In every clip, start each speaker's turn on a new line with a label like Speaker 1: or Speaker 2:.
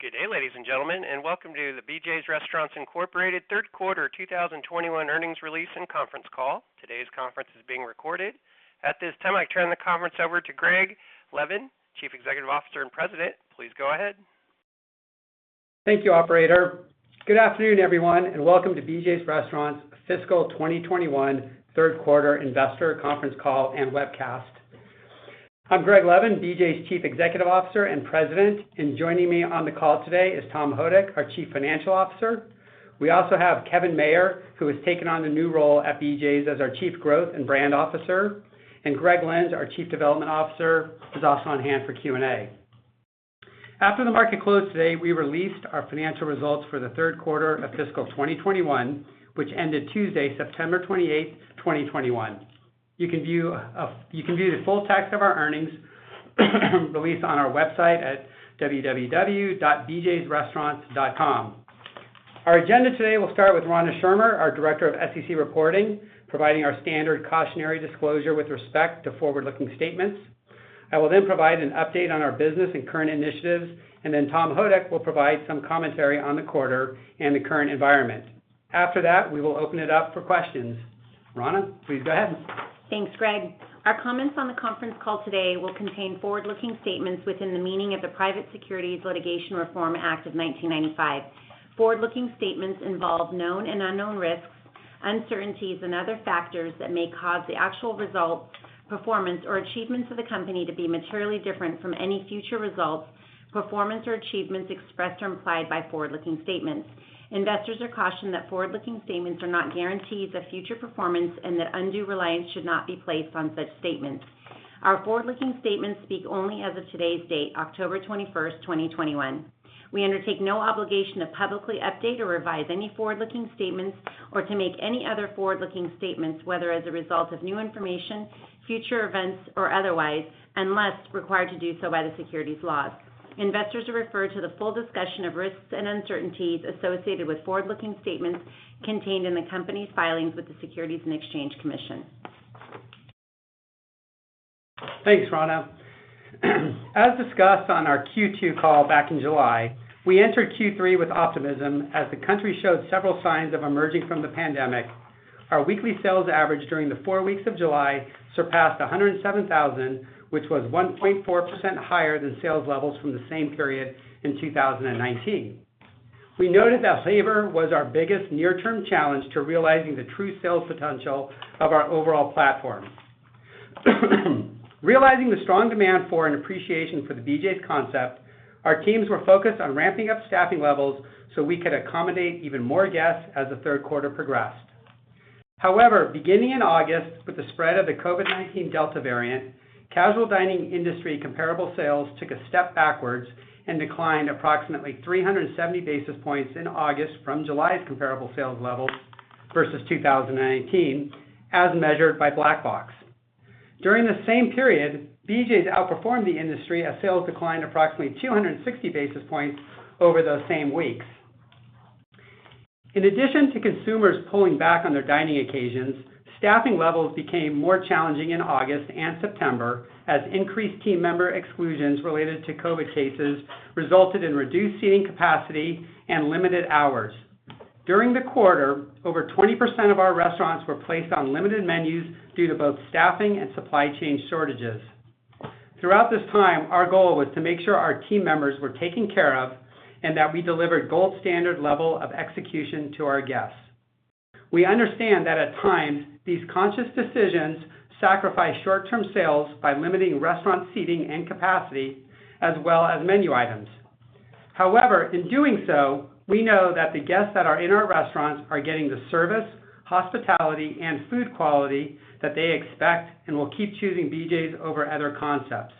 Speaker 1: Good day, ladies and gentlemen, and welcome to the BJ's Restaurants Incorporated third quarter 2021 earnings release and conference call. Today's conference is being recorded. At this time, I turn the conference over to Greg Levin, Chief Executive Officer and President. Please go ahead.
Speaker 2: Thank you, operator. Good afternoon, everyone, welcome to BJ's Restaurants's fiscal 2021 third quarter investor conference call and webcast. I'm Greg Levin, BJ's Chief Executive Officer and President, joining me on the call today is Tom Houdek, our Chief Financial Officer. We also have Kevin Mayer, who has taken on the new role at BJ's as our Chief Growth and Brand Officer, Greg Lynds, our Chief Development Officer, is also on hand for Q&A. After the market closed today, we released our financial results for the third quarter of fiscal 2021, which ended Tuesday, September 28th, 2021. You can view the full text of our earnings release on our website at www.bjsrestaurants.com. Our agenda today will start with Rana Schirmer, our Director of SEC Reporting, providing our standard cautionary disclosure with respect to forward-looking statements. I will then provide an update on our business and current initiatives, and then Tom Houdek will provide some commentary on the quarter and the current environment. After that, we will open it up for questions. Rana, please go ahead.
Speaker 3: Thanks, Greg. Our comments on the conference call today will contain forward-looking statements within the meaning of the Private Securities Litigation Reform Act of 1995. Forward-looking statements involve known and unknown risks, uncertainties, and other factors that may cause the actual result, performance, or achievements of the company to be materially different from any future results, performance, or achievements expressed or implied by forward-looking statements. Investors are cautioned that forward-looking statements are not guarantees of future performance and that undue reliance should not be placed on such statements. Our forward-looking statements speak only as of today's date, October 21st, 2021. We undertake no obligation to publicly update or revise any forward-looking statements or to make any other forward-looking statements, whether as a result of new information, future events, or otherwise, unless required to do so by the securities laws. Investors are referred to the full discussion of risks and uncertainties associated with forward-looking statements contained in the company's filings with the Securities and Exchange Commission.
Speaker 2: Thanks, Rana. As discussed on our Q2 call back in July, we entered Q3 with optimism as the country showed several signs of emerging from the pandemic. Our weekly sales average during the four weeks of July surpassed 107,000, which was 1.4% higher than sales levels from the same period in 2019. We noted that labor was our biggest near-term challenge to realizing the true sales potential of our overall platform. Realizing the strong demand for and appreciation for the BJ's concept, our teams were focused on ramping up staffing levels so we could accommodate even more guests as the third quarter progressed. However, beginning in August, with the spread of the COVID-19 Delta variant, casual dining industry comparable sales took a step backwards and declined approximately 370 basis points in August from July's comparable sales levels versus 2019 as measured by Black Box. During the same period, BJ's outperformed the industry as sales declined approximately 260 basis points over those same weeks. In addition to consumers pulling back on their dining occasions, staffing levels became more challenging in August and September as increased team member exclusions related to COVID cases resulted in reduced seating capacity and limited hours. During the quarter, over 20% of our restaurants were placed on limited menus due to both staffing and supply chain shortages. Throughout this time, our goal was to make sure our team members were taken care of and that we delivered gold standard level of execution to our guests. We understand that at times, these conscious decisions sacrifice short-term sales by limiting restaurant seating and capacity as well as menu items. However, in doing so, we know that the guests that are in our restaurants are getting the service, hospitality, and food quality that they expect and will keep choosing BJ's over other concepts.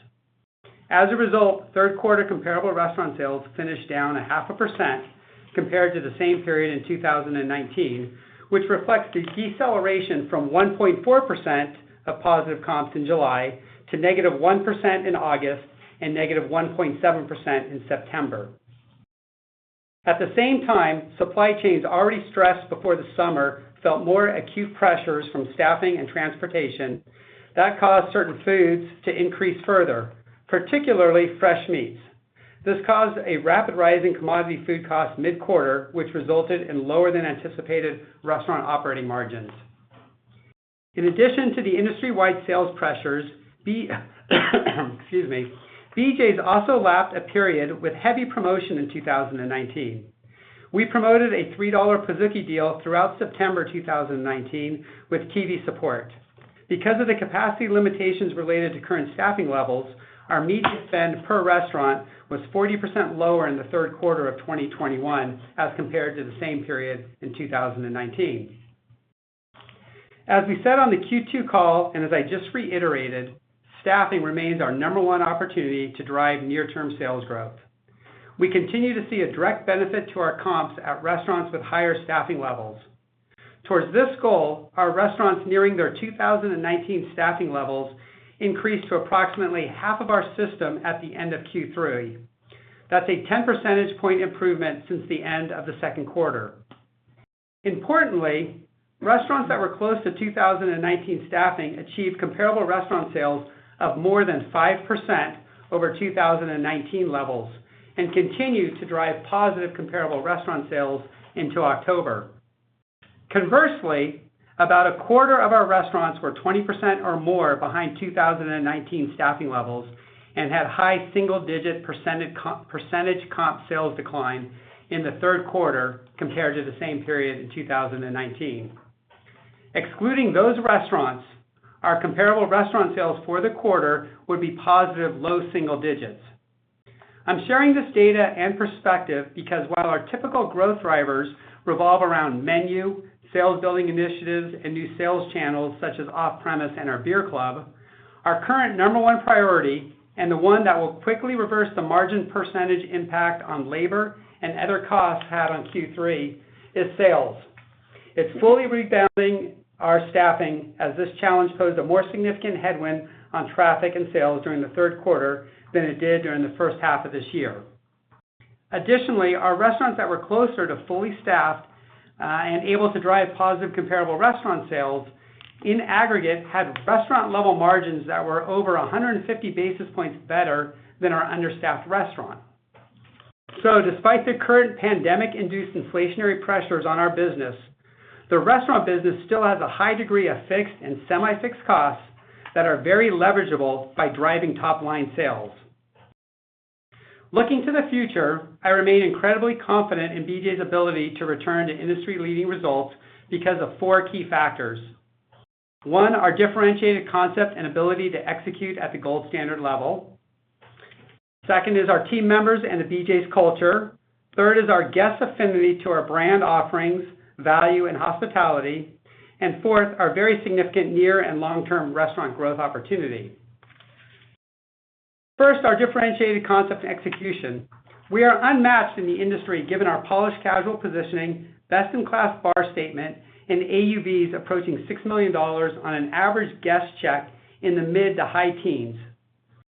Speaker 2: As a result, third quarter comparable restaurant sales finished down 0.5% compared to the same period in 2019, which reflects the deceleration from 1.4% of positive comps in July to -1% in August and -1.7% in September. At the same time, supply chains already stressed before the summer felt more acute pressures from staffing and transportation. That caused certain foods to increase further, particularly fresh meats. This caused a rapid rise in commodity food costs mid-quarter, which resulted in lower than anticipated restaurant operating margins. In addition to the industry-wide sales pressures, excuse me, BJ's also lapped a period with heavy promotion in 2019. We promoted a $3 Pizookie deal throughout September 2019 with TV support. Because of the capacity limitations related to current staffing levels, our media spend per restaurant was 40% lower in the third quarter of 2021 as compared to the same period in 2019. As we said on the Q2 call, and as I just reiterated, staffing remains our number one opportunity to drive near-term sales growth. We continue to see a direct benefit to our comps at restaurants with higher staffing levels. Towards this goal, our restaurants nearing their 2019 staffing levels increased to approximately half of our system at the end of Q3. That's a 10 percentage point improvement since the end of the second quarter. Importantly, restaurants that were close to 2019 staffing achieved comparable restaurant sales of more than 5% over 2019 levels and continue to drive positive comparable restaurant sales into October. Conversely, about a quarter of our restaurants were 20% or more behind 2019 staffing levels and had high single-digit percentage comp sales decline in the third quarter compared to the same period in 2019. Excluding those restaurants, our comparable restaurant sales for the quarter would be positive low single digits. I'm sharing this data and perspective because while our typical growth drivers revolve around menu, sales-building initiatives, and new sales channels such as off-premise and our beer club, our current number one priority, and the one that will quickly reverse the margin percentage impact on labor and other costs had on Q3, is sales. It's fully rebounding our staffing as this challenge posed a more significant headwind on traffic and sales during the third quarter than it did during the first half of this year. Additionally, our restaurants that were closer to fully staffed and able to drive positive comparable restaurant sales in aggregate had restaurant level margins that were over 150 basis points better than our understaffed restaurant. Despite the current pandemic-induced inflationary pressures on our business, the restaurant business still has a high degree of fixed and semi-fixed costs that are very leverageable by driving top-line sales. Looking to the future, I remain incredibly confident in BJ's ability to return to industry-leading results because of four key factors. One, our differentiated concept and ability to execute at the gold standard level. Second is our team members and the BJ's culture. Third is our guest affinity to our brand offerings, value, and hospitality. Fourth, our very significant near and long-term restaurant growth opportunity. First, our differentiated concept and execution. We are unmatched in the industry given our polished casual positioning, best-in-class bar statement, and AUVs approaching $6 million on an average guest check in the mid to high teens.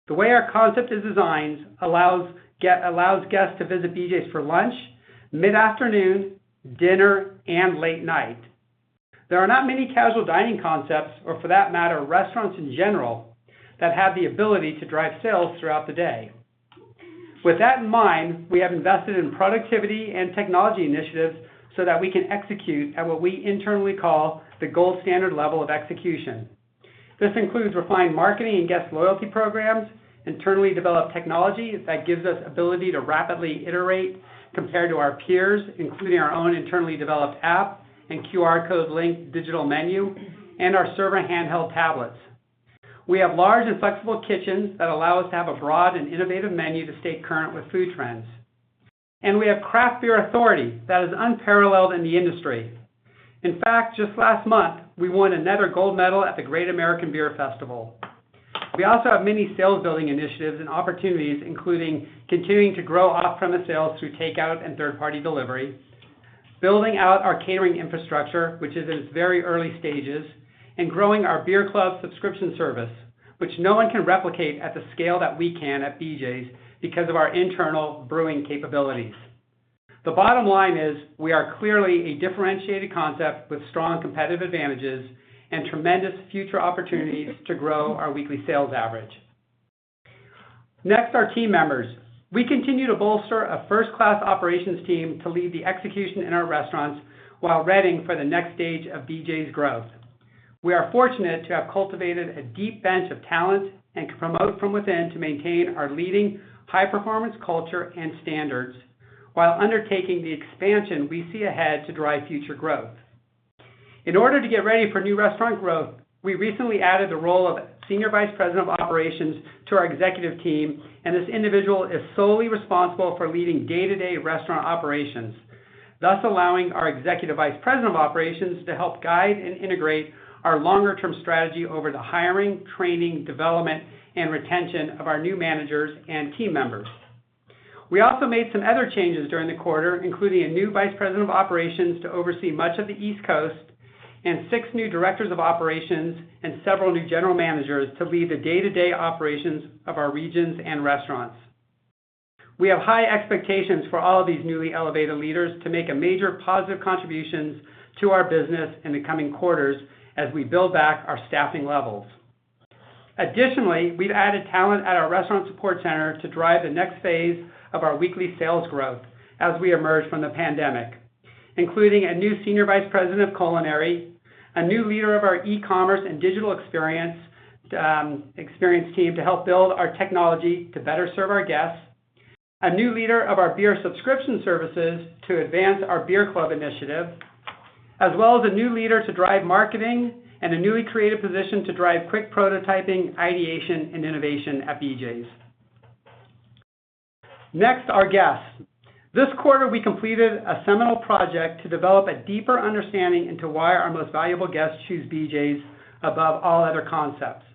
Speaker 2: The way our concept is designed allows guests to visit BJ's for lunch, mid-afternoon, dinner, and late-night. There are not many casual dining concepts, or for that matter, restaurants in general, that have the ability to drive sales throughout the day. With that in mind, we have invested in productivity and technology initiatives so that we can execute at what we internally call the gold standard level of execution. This includes refined marketing and guest loyalty programs, internally developed technology that gives us ability to rapidly iterate compared to our peers, including our own internally developed app and QR code-linked digital menu, and our server handheld tablets. We have large and flexible kitchens that allow us to have a broad and innovative menu to stay current with food trends. We have craft beer authority that is unparalleled in the industry. In fact, just last month, we won another gold medal at the Great American Beer Festival. We also have many sales-building initiatives and opportunities, including continuing to grow off-premise sales through takeout and third-party delivery, building out our catering infrastructure, which is in its very early stages, and growing our beer club subscription service, which no one can replicate at the scale that we can at BJ's because of our internal brewing capabilities. The bottom line is we are clearly a differentiated concept with strong competitive advantages and tremendous future opportunities to grow our weekly sales average. Next, our team members. We continue to bolster a first-class operations team to lead the execution in our restaurants while readying for the next stage of BJ's growth. We are fortunate to have cultivated a deep bench of talent and can promote from within to maintain our leading high-performance culture and standards while undertaking the expansion we see ahead to drive future growth. In order to get ready for new restaurant growth, we recently added the role of Senior Vice President of Operations to our executive team, and this individual is solely responsible for leading day-to-day restaurant operations, thus allowing our executive vice president of operations to help guide and integrate our longer-term strategy over the hiring, training, development, and retention of our new managers and team members. We also made some other changes during the quarter, including a new vice president of operations to oversee much of the East Coast, and six new directors of operations and several new general managers to lead the day-to-day operations of our regions and restaurants. We have high expectations for all of these newly elevated leaders to make major positive contributions to our business in the coming quarters as we build back our staffing levels. Additionally, we've added talent at our restaurant support center to drive the next phase of our weekly sales growth as we emerge from the pandemic, including a new senior vice president of culinary, a new leader of our e-commerce and digital experience team to help build our technology to better serve our guests, a new leader of our beer subscription services to advance our beer club initiative, as well as a new leader to drive marketing and a newly created position to drive quick prototyping, ideation, and innovation at BJ's. Next, our guests. This quarter, we completed a seminal project to develop a deeper understanding into why our most valuable guests choose BJ's above all other concepts.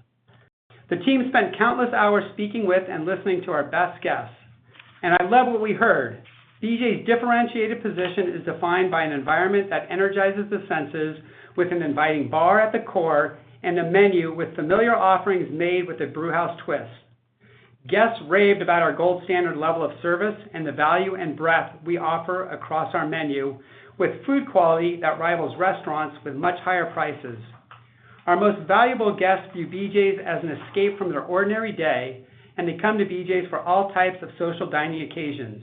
Speaker 2: The team spent countless hours speaking with and listening to our best guests, and I love what we heard. BJ's differentiated position is defined by an environment that energizes the senses with an inviting bar at the core and a menu with familiar offerings made with a brew house twist. Guests raved about our gold standard level of service and the value and breadth we offer across our menu, with food quality that rivals restaurants with much higher prices. Our most valuable guests view BJ's as an escape from their ordinary day, and they come to BJ's for all types of social dining occasions.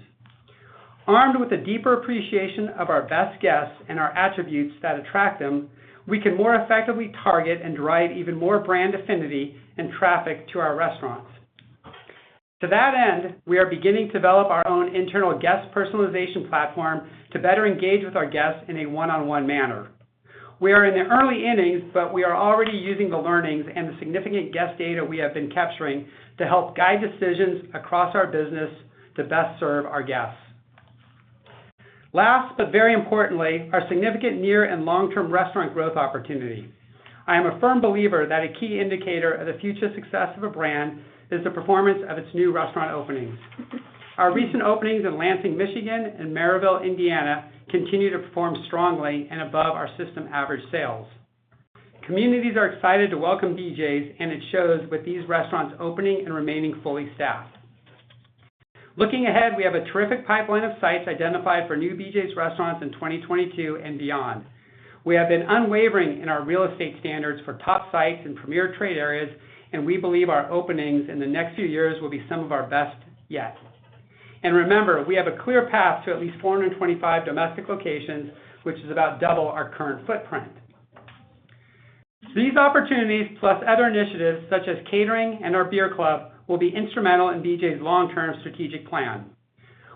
Speaker 2: Armed with a deeper appreciation of our best guests and our attributes that attract them, we can more effectively target and drive even more brand affinity and traffic to our restaurants. To that end, we are beginning to develop our own internal guest personalization platform to better engage with our guests in a one-on-one manner. We are in the early innings, but we are already using the learnings and the significant guest data we have been capturing to help guide decisions across our business to best serve our guests. Last, but very importantly, our significant near and long-term restaurant growth opportunity. I am a firm believer that a key indicator of the future success of a brand is the performance of its new restaurant openings. Our recent openings in Lansing, Michigan, and Merrillville, Indiana, continue to perform strongly and above our system average sales. Communities are excited to welcome BJ's, and it shows with these restaurants opening and remaining fully staffed. Looking ahead, we have a terrific pipeline of sites identified for new BJ's Restaurants in 2022 and beyond. We have been unwavering in our real estate standards for top sites and premier trade areas, and we believe our openings in the next few years will be some of our best yet. Remember, we have a clear path to at least 425 domestic locations, which is about double our current footprint. These opportunities, plus other initiatives such as catering and our beer club, will be instrumental in BJ's long-term strategic plan.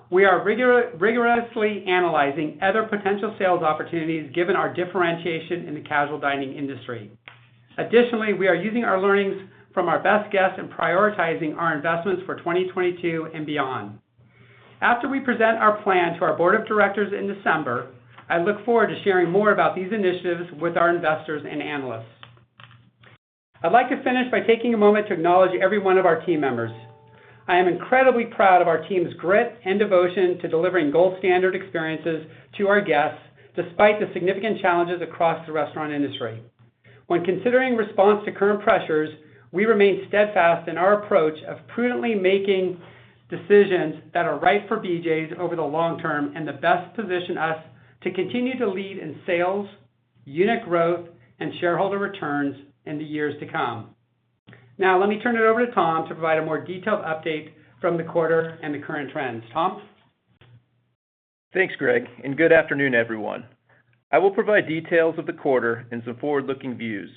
Speaker 2: We are rigorously analyzing other potential sales opportunities given our differentiation in the casual dining industry. Additionally, we are using our learnings from our best guests and prioritizing our investments for 2022 and beyond. After we present our plan to our board of directors in December, I look forward to sharing more about these initiatives with our investors and analysts. I'd like to finish by taking a moment to acknowledge every one of our team members. I am incredibly proud of our team's grit and devotion to delivering gold standard experiences to our guests, despite the significant challenges across the restaurant industry. When considering response to current pressures, we remain steadfast in our approach of prudently making decisions that are right for BJ's over the long term and that best position us to continue to lead in sales, unit growth, and shareholder returns in the years to come. Now, let me turn it over to Tom to provide a more detailed update from the quarter and the current trends. Tom?
Speaker 4: Thanks, Greg, and good afternoon, everyone. I will provide details of the quarter and some forward-looking views.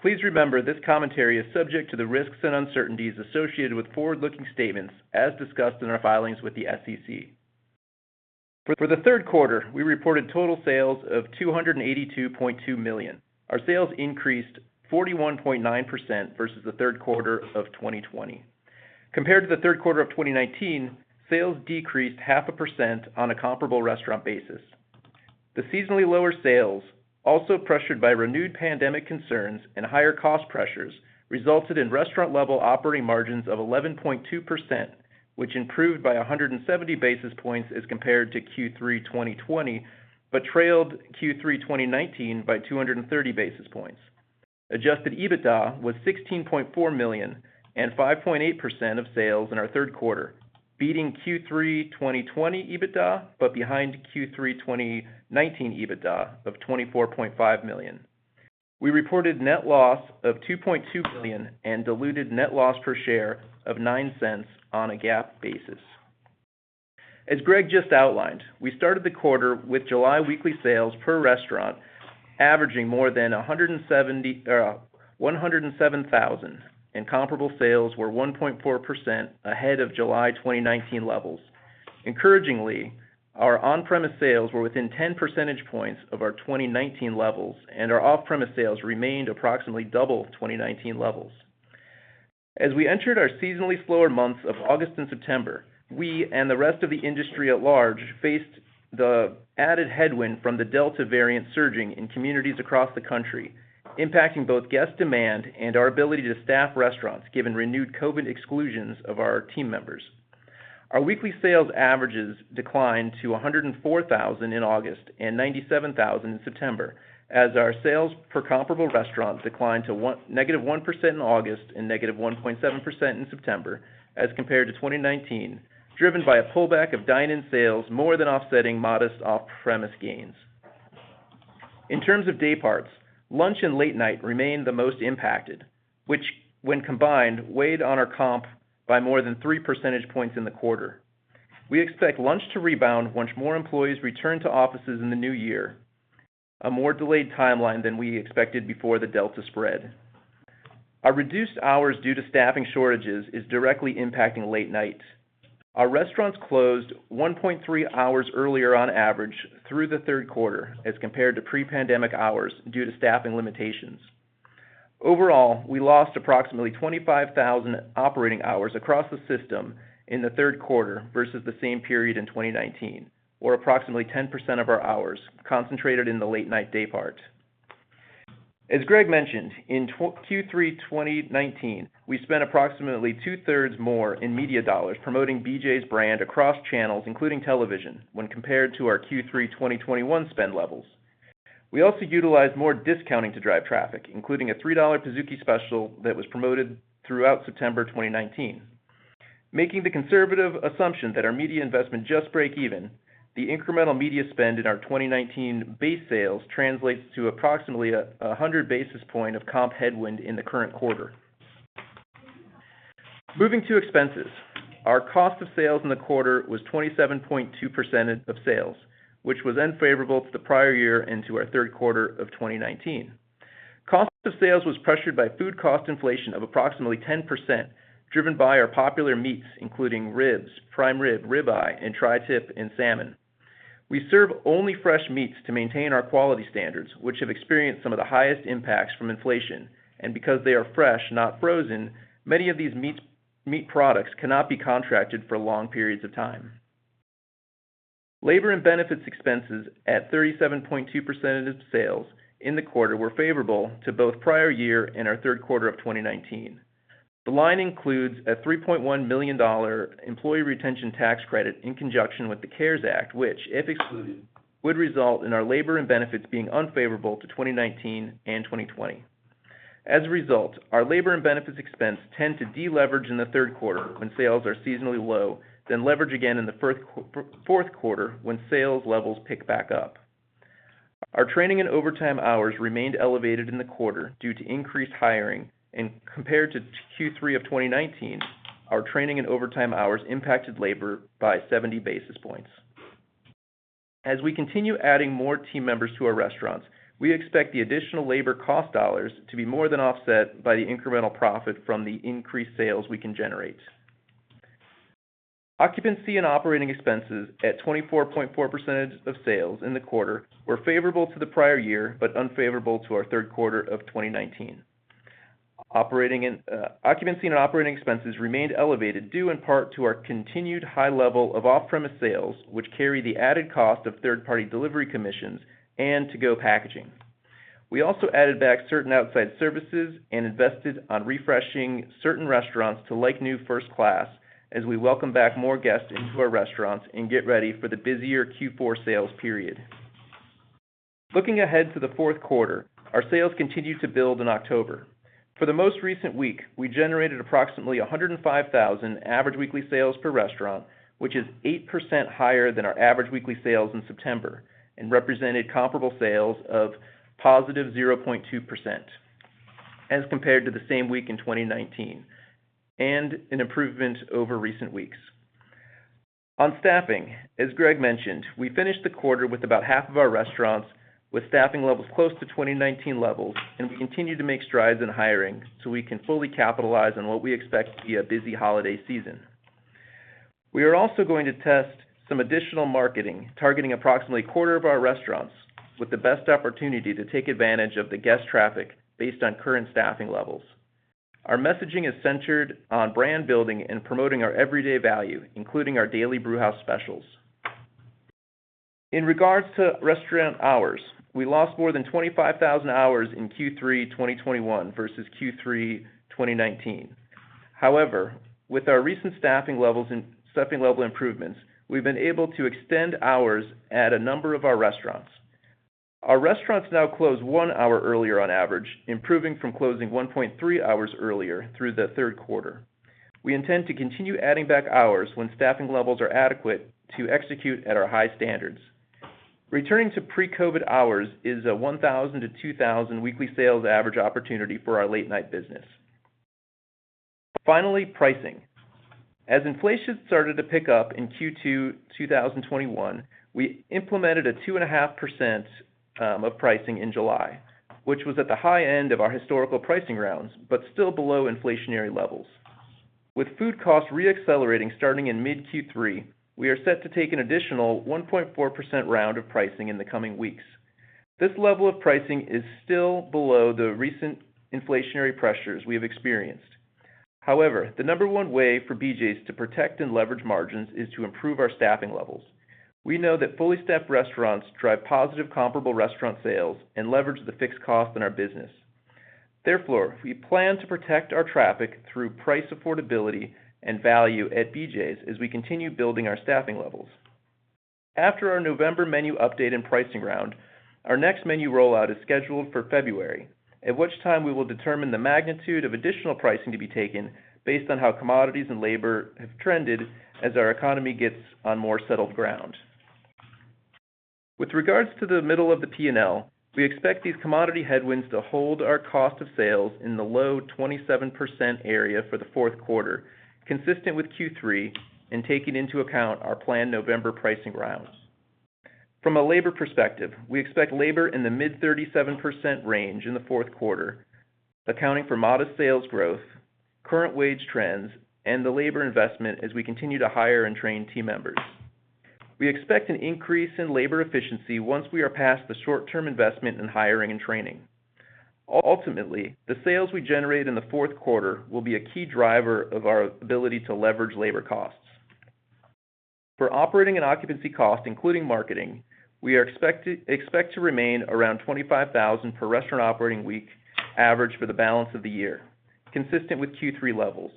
Speaker 4: Please remember, this commentary is subject to the risks and uncertainties associated with forward-looking statements as discussed in our filings with the SEC. For the third quarter, we reported total sales of $282.2 million. Our sales increased 41.9% versus the third quarter of 2020. Compared to the third quarter of 2019, sales decreased half a percent on a comparable restaurant basis. The seasonally lower sales, also pressured by renewed pandemic concerns and higher cost pressures, resulted in restaurant level operating margins of 11.2%, which improved by 170 basis points as compared to Q3 2020, but trailed Q3 2019 by 230 basis points. Adjusted EBITDA was $16.4 million and 5.8% of sales in our third quarter, beating Q3 2020 EBITDA, but behind Q3 2019 EBITDA of $24.5 million. We reported net loss of $2.2 million and diluted net loss per share of $0.09 on a GAAP basis. As Greg just outlined, we started the quarter with July weekly sales per restaurant averaging more than 107,000, and comparable sales were 1.4% ahead of July 2019 levels. Encouragingly, our on-premise sales were within 10 percentage points of our 2019 levels, and our off-premise sales remained approximately double 2019 levels. As we entered our seasonally slower months of August and September, we and the rest of the industry at large faced the added headwind from the Delta variant surging in communities across the country, impacting both guest demand and our ability to staff restaurants, given renewed COVID-19 exclusions of our team members. Our weekly sales averages declined to $104,000 in August and $97,000 in September, as our sales per comparable restaurant declined to -1% in August and -1.7% in September as compared to 2019, driven by a pullback of dine-in sales more than offsetting modest off-premise gains. In terms of day parts, lunch and late night remained the most impacted, which when combined, weighed on our comp by more than 3 percentage points in the quarter. We expect lunch to rebound once more employees return to offices in the new year, a more delayed timeline than we expected before the Delta spread. Our reduced hours due to staffing shortages is directly impacting late nights. Our restaurants closed 1.3 hours earlier on average through the third quarter as compared to pre-pandemic hours due to staffing limitations. Overall, we lost approximately 25,000 operating hours across the system in the third quarter versus the same period in 2019, or approximately 10% of our hours concentrated in the late night daypart. As Greg mentioned, in Q3 2019, we spent approximately 2/3 more in media dollars promoting BJ's brand across channels, including television, when compared to our Q3 2021 spend levels. We also utilized more discounting to drive traffic, including a $3 Pizookie special that was promoted throughout September 2019. Making the conservative assumption that our media investment just break even, the incremental media spend in our 2019 base sales translates to approximately 100 basis points of comp headwind in the current quarter. Moving to expenses. Our cost of sales in the quarter was 27.2% of sales, which was unfavorable to the prior year and to our third quarter of 2019. Cost of sales was pressured by food cost inflation of approximately 10%, driven by our popular meats, including ribs, prime rib eye, and tri-tip and salmon. We serve only fresh meats to maintain our quality standards, which have experienced some of the highest impacts from inflation, and because they are fresh, not frozen, many of these meat products cannot be contracted for long periods of time. Labor and benefits expenses at 37.2% of sales in the quarter were favorable to both prior year and our third quarter of 2019. The line includes a $3.1 million employee retention tax credit in conjunction with the CARES Act, which, if excluded, would result in our labor and benefits being unfavorable to 2019 and 2020. As a result, our labor and benefits expense tend to de-leverage in the third quarter when sales are seasonally low, then leverage again in the fourth quarter when sales levels pick back up. Our training and overtime hours remained elevated in the quarter due to increased hiring and compared to Q3 of 2019, our training and overtime hours impacted labor by 70 basis points. As we continue adding more team members to our restaurants, we expect the additional labor cost dollars to be more than offset by the incremental profit from the increased sales we can generate. Occupancy and operating expenses at 24.4% of sales in the quarter were favorable to the prior year, but unfavorable to our third quarter of 2019. Occupancy and operating expenses remained elevated due in part to our continued high level of off-premise sales, which carry the added cost of third-party delivery commissions and to-go packaging. We also added back certain outside services and invested on refreshing certain restaurants to like-new first class as we welcome back more guests into our restaurants and get ready for the busier Q4 sales period. Looking ahead to the fourth quarter, our sales continued to build in October. For the most recent week, we generated approximately $105,000 average weekly sales per restaurant, which is 8% higher than our average weekly sales in September and represented comparable sales of positive 0.2% as compared to the same week in 2019, and an improvement over recent weeks. On staffing, as Greg mentioned, we finished the quarter with about half of our restaurants with staffing levels close to 2019 levels, and we continue to make strides in hiring so we can fully capitalize on what we expect to be a busy holiday season. We are also going to test some additional marketing, targeting approximately a quarter of our restaurants with the best opportunity to take advantage of the guest traffic based on current staffing levels. Our messaging is centered on brand building and promoting our everyday value, including our Daily Brewhouse Specials. In regards to restaurant hours, we lost more than 25,000 hours in Q3 2021 versus Q3 2019. However, with our recent staffing level improvements, we've been able to extend hours at a number of our restaurants. Our restaurants now close one hour earlier on average, improving from closing 1.3 hours earlier through the third quarter. We intend to continue adding back hours when staffing levels are adequate to execute at our high standards. Returning to pre-COVID hours is a 1,000-2,000 weekly sales average opportunity for our late-night business. Finally, pricing. As inflation started to pick up in Q2 2021, we implemented a 2.5% of pricing in July, which was at the high end of our historical pricing rounds, but still below inflationary levels. With food costs re-accelerating starting in mid Q3, we are set to take an additional 1.4% round of pricing in the coming weeks. This level of pricing is still below the recent inflationary pressures we have experienced. However, the number one way for BJ's to protect and leverage margins is to improve our staffing levels. We know that fully staffed restaurants drive positive comparable restaurant sales and leverage the fixed cost in our business. Therefore, we plan to protect our traffic through price affordability and value at BJ's as we continue building our staffing levels. After our November menu update and pricing round, our next menu rollout is scheduled for February, at which time we will determine the magnitude of additional pricing to be taken based on how commodities and labor have trended as our economy gets on more settled ground. With regards to the middle of the P&L, we expect these commodity headwinds to hold our cost of sales in the low 27% area for the fourth quarter, consistent with Q3, and taking into account our planned November pricing rounds. From a labor perspective, we expect labor in the mid 37% range in the fourth quarter, accounting for modest sales growth, current wage trends, and the labor investment as we continue to hire and train team members. We expect an increase in labor efficiency once we are past the short-term investment in hiring and training. Ultimately, the sales we generate in the fourth quarter will be a key driver of our ability to leverage labor costs. For operating and occupancy costs, including marketing, we expect to remain around $25,000 per restaurant operating week average for the balance of the year, consistent with Q3 levels.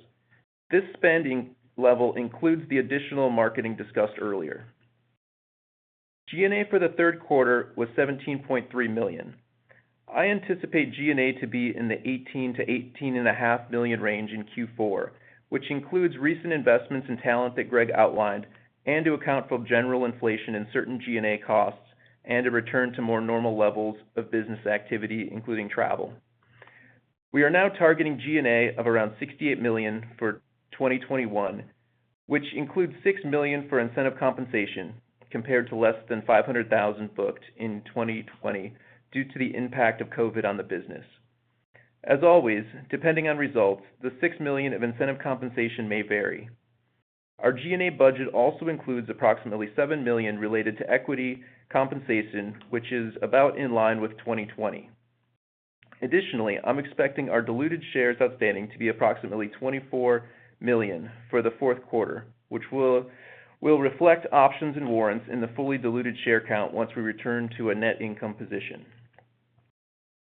Speaker 4: This spending level includes the additional marketing discussed earlier. G&A for the third quarter was $17.3 million. I anticipate G&A to be in the $18 million-$18.5 million range in Q4, which includes recent investments in talent that Greg outlined, and to account for general inflation in certain G&A costs, and a return to more normal levels of business activity, including travel. We are now targeting G&A of around $68 million for 2021, which includes $6 million for incentive compensation, compared to less than $500,000 booked in 2020 due to the impact of COVID on the business. As always, depending on results, the $6 million of incentive compensation may vary. Our G&A budget also includes approximately $7 million related to equity compensation, which is about in line with 2020. Additionally, I'm expecting our diluted shares outstanding to be approximately 24 million for the fourth quarter, which will reflect options and warrants in the fully diluted share count once we return to a net income position.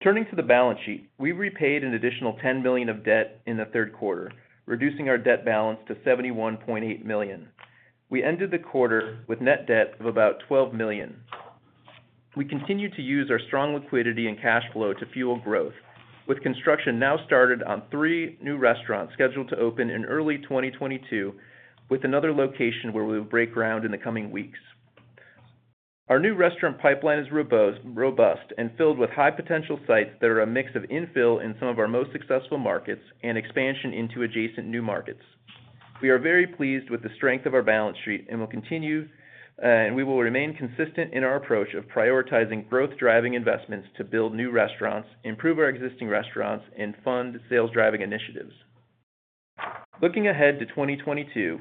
Speaker 4: Turning to the balance sheet, we repaid an additional $10 million of debt in the third quarter, reducing our debt balance to $71.8 million. We ended the quarter with net debt of about $12 million. We continue to use our strong liquidity and cash flow to fuel growth with construction now started on three new restaurants scheduled to open in early 2022, with another location where we will break ground in the coming weeks. Our new restaurant pipeline is robust and filled with high potential sites that are a mix of infill in some of our most successful markets and expansion into adjacent new markets. We are very pleased with the strength of our balance sheet, we will remain consistent in our approach of prioritizing growth driving investments to build new restaurants, improve our existing restaurants, and fund sales driving initiatives. Looking ahead to 2022,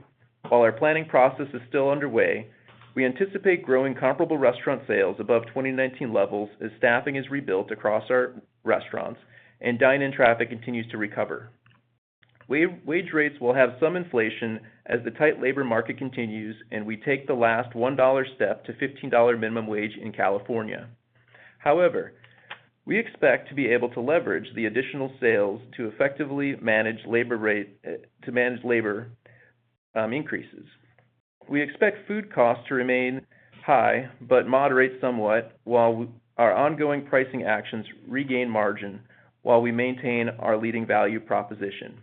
Speaker 4: while our planning process is still underway, we anticipate growing comparable restaurant sales above 2019 levels as staffing is rebuilt across our restaurants and dine-in traffic continues to recover. Wage rates will have some inflation as the tight labor market continues, and we take the last $1 step to $15 minimum wage in California. However, we expect to be able to leverage the additional sales to effectively manage labor increases. We expect food costs to remain high, but moderate somewhat, while our ongoing pricing actions regain margin while we maintain our leading value proposition.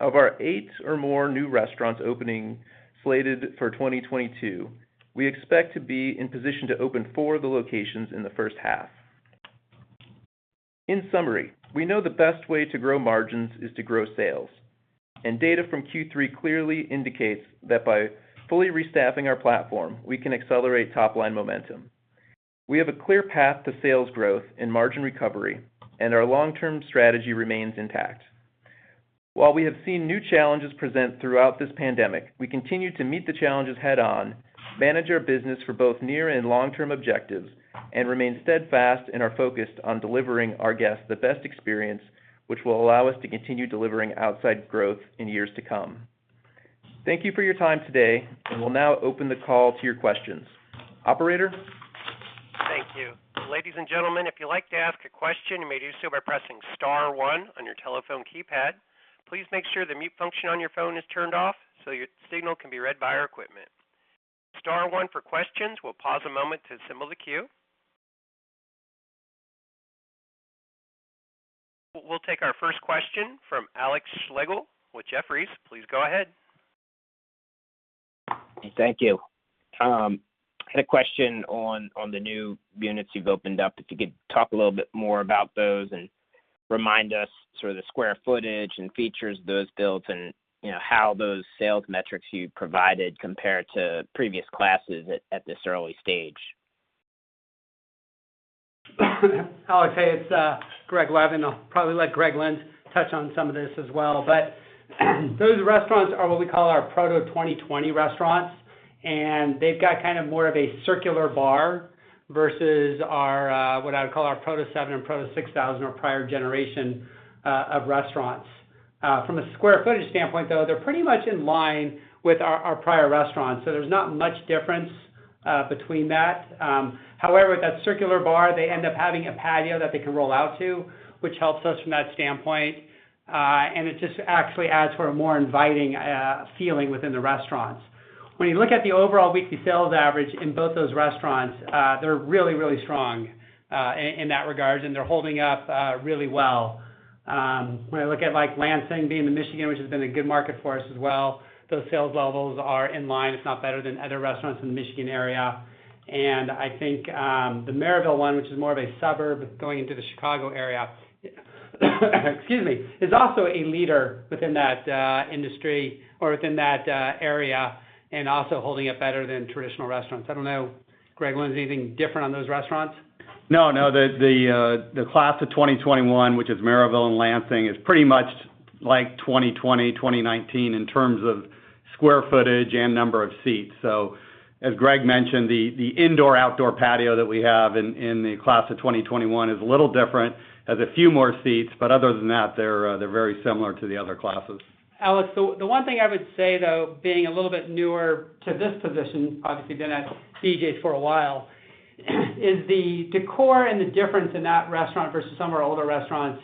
Speaker 4: Of our eight or more new restaurants opening slated for 2022, we expect to be in position to open four of the locations in the first half. In summary, we know the best way to grow margins is to grow sales, and data from Q3 clearly indicates that by fully re-staffing our platform, we can accelerate top-line momentum. We have a clear path to sales growth and margin recovery, and our long-term strategy remains intact. While we have seen new challenges present throughout this pandemic, we continue to meet the challenges head on, manage our business for both near and long-term objectives, and remain steadfast in our focus on delivering our guests the best experience, which will allow us to continue delivering outside growth in years to come. Thank you for your time today, and we'll now open the call to your questions. Operator?
Speaker 1: Thank you. Ladies and gentlemen, if you'd like to ask a question, you may do so by pressing star one on your telephone keypad. Please make sure the mute function on your phone is turned off so your signal can be read by our equipment. Star one for questions. We'll pause a moment to assemble the queue. We'll take our first question from Alex Slagle with Jefferies. Please go ahead.
Speaker 5: Thank you. I had a question on the new units you've opened up. If you could talk a little bit more about those and remind us sort of the square footage and features those built and how those sales metrics you provided compare to previous classes at this early stage.
Speaker 2: Alex, hey, it's Greg Levin. I'll probably let Greg Lynds touch on some of this as well, but those restaurants are what we call our Proto 2020 restaurants. They've got kind of more of a circular bar versus what I would call our Proto 7 and Proto 6000 or prior generation of restaurants. From a square footage standpoint, though, they're pretty much in line with our prior restaurants. There's not much difference between that. However, with that circular bar, they end up having a patio that they can roll out to, which helps us from that standpoint. It just actually adds for a more inviting feeling within the restaurants. When you look at the overall weekly sales average in both those restaurants, they're really, really strong in that regard. They're holding up really well. When I look at Lansing being in Michigan, which has been a good market for us as well, those sales levels are in line, if not better than other restaurants in the Michigan area. I think the Merrillville one, which is more of a suburb going into the Chicago area, excuse me, is also a leader within that industry or within that area, and also holding up better than traditional restaurants. I don't know, Greg Lynds, is anything different on those restaurants?
Speaker 6: No. The Class of 2021, which is Merrillville and Lansing, is pretty much like 2020, 2019 in terms of square footage and number of seats. As Greg mentioned, the indoor-outdoor patio that we have in the Class of 2021 is a little different. Has a few more seats, other than that, they're very similar to the other classes.
Speaker 2: Alex, the one thing I would say, though, being a little bit newer to this position, obviously been at BJ's for a while, is the decor and the difference in that restaurant versus some of our older restaurants.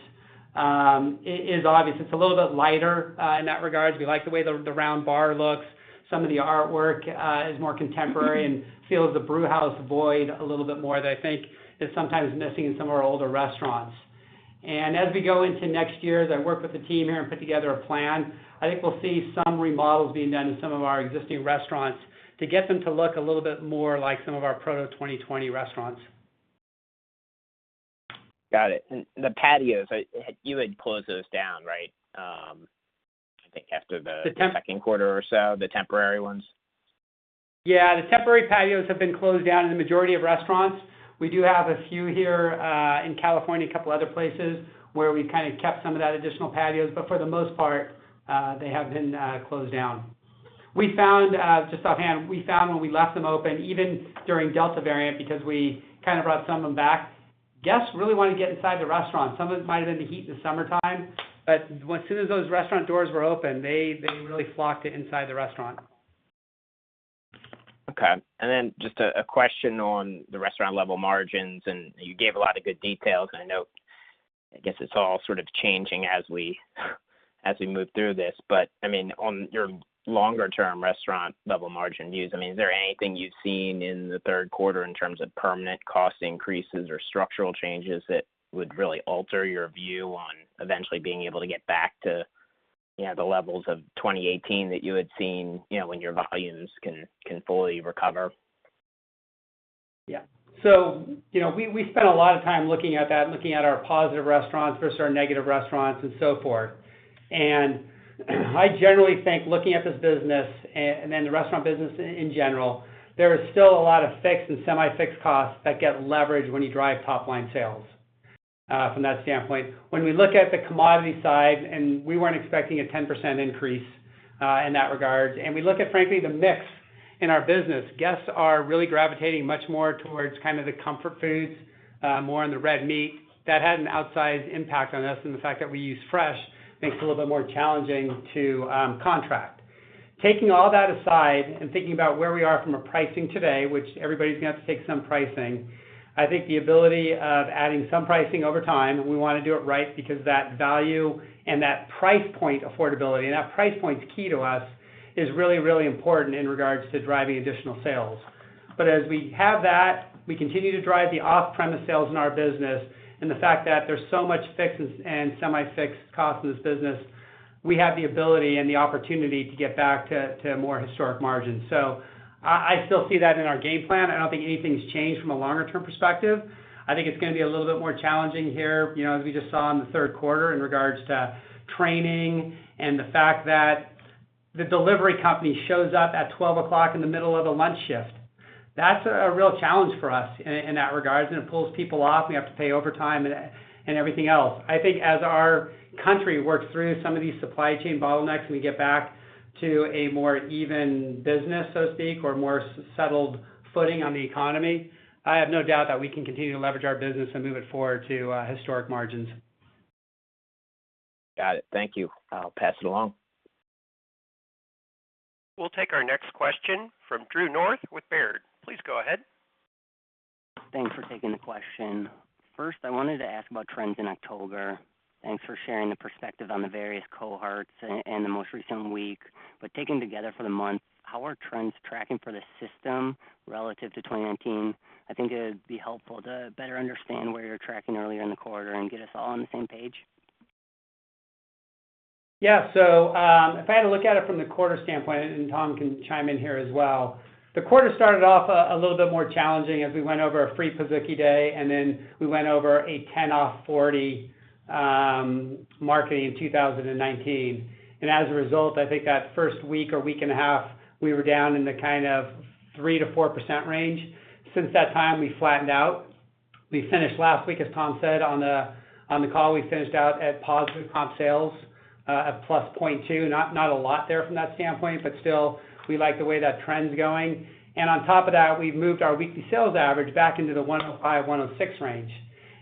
Speaker 2: It is obvious. It's a little bit lighter in that regard. We like the way the round bar looks. Some of the artwork is more contemporary and feels the brewhouse void a little bit more than I think is sometimes missing in some of our older restaurants. As we go into next year, as I work with the team here and put together a plan, I think we'll see some remodels being done in some of our existing restaurants to get them to look a little bit more like some of our Proto 2020 restaurants.
Speaker 5: Got it. The patios, you had closed those down, right, I think after the second quarter or so, the temporary ones?
Speaker 2: The temporary patios have been closed down in the majority of restaurants. We do have a few here in California, a couple other places, where we've kept some of that additional patios. For the most part, they have been closed down. Just offhand, we found when we left them open, even during Delta variant, because we brought some of them back, guests really want to get inside the restaurant. Some of it might've been the heat in the summertime, but as soon as those restaurant doors were open, they really flocked to inside the restaurant.
Speaker 5: Okay. Just a question on the restaurant-level margins, and you gave a lot of good details, and I know, I guess it's all sort of changing as we move through this. I mean, on your longer-term restaurant-level margin views, is there anything you've seen in the third quarter in terms of permanent cost increases or structural changes that would really alter your view on eventually being able to get back to the levels of 2018 that you had seen when your volumes can fully recover?
Speaker 2: We spent a lot of time looking at that and looking at our positive restaurants versus our negative restaurants and so forth. I generally think, looking at this business, and then the restaurant business in general, there is still a lot of fixed and semi-fixed costs that get leveraged when you drive top-line sales from that standpoint. When we look at the commodity side, and we weren't expecting a 10% increase in that regard, and we look at, frankly, the mix in our business, guests are really gravitating much more towards the comfort foods, more on the red meat. That had an outsized impact on us. The fact that we use fresh makes it a little bit more challenging to contract. Taking all that aside, thinking about where we are from a pricing today, which everybody's going to have to take some pricing, I think the ability of adding some pricing over time, we want to do it right because that value and that price point affordability, and that price point's key to us, is really, really important in regards to driving additional sales. As we have that, we continue to drive the off-premise sales in our business, and the fact that there's so much fixed and semi-fixed costs in this business, we have the ability and the opportunity to get back to more historic margins. I still see that in our game plan. I don't think anything's changed from a longer-term perspective. I think it's going to be a little bit more challenging here, as we just saw in the third quarter, in regards to training and the fact that the delivery company shows up at 12 o'clock in the middle of a lunch shift. That's a real challenge for us in that regard, and it pulls people off, and we have to pay overtime and everything else. I think as our country works through some of these supply chain bottlenecks, and we get back to a more even business, so to speak, or more settled footing on the economy, I have no doubt that we can continue to leverage our business and move it forward to historic margins.
Speaker 5: Got it. Thank you. I'll pass it along.
Speaker 1: We'll take our next question from Drew North with Baird. Please go ahead.
Speaker 7: Thanks for taking the question. First, I wanted to ask about trends in October. Thanks for sharing the perspective on the various cohorts and the most recent week. Taken together for the month, how are trends tracking for the system relative to 2019? I think it would be helpful to better understand where you're tracking earlier in the quarter and get us all on the same page.
Speaker 2: If I had to look at it from the quarter standpoint, and Tom can chime in here as well, the quarter started off a little bit more challenging as we went over a free Pizookie day, then we went over a $10 off $40 marketing in 2019. As a result, I think that first week or week and a half, we were down in the 3%-4% range. Since that time, we flattened out. We finished last week, as Tom said on the call, we finished out at positive comp sales, at plus 0.2. Not a lot there from that standpoint, still, we like the way that trend's going. On top of that, we've moved our weekly sales average back into the 105, 106 range.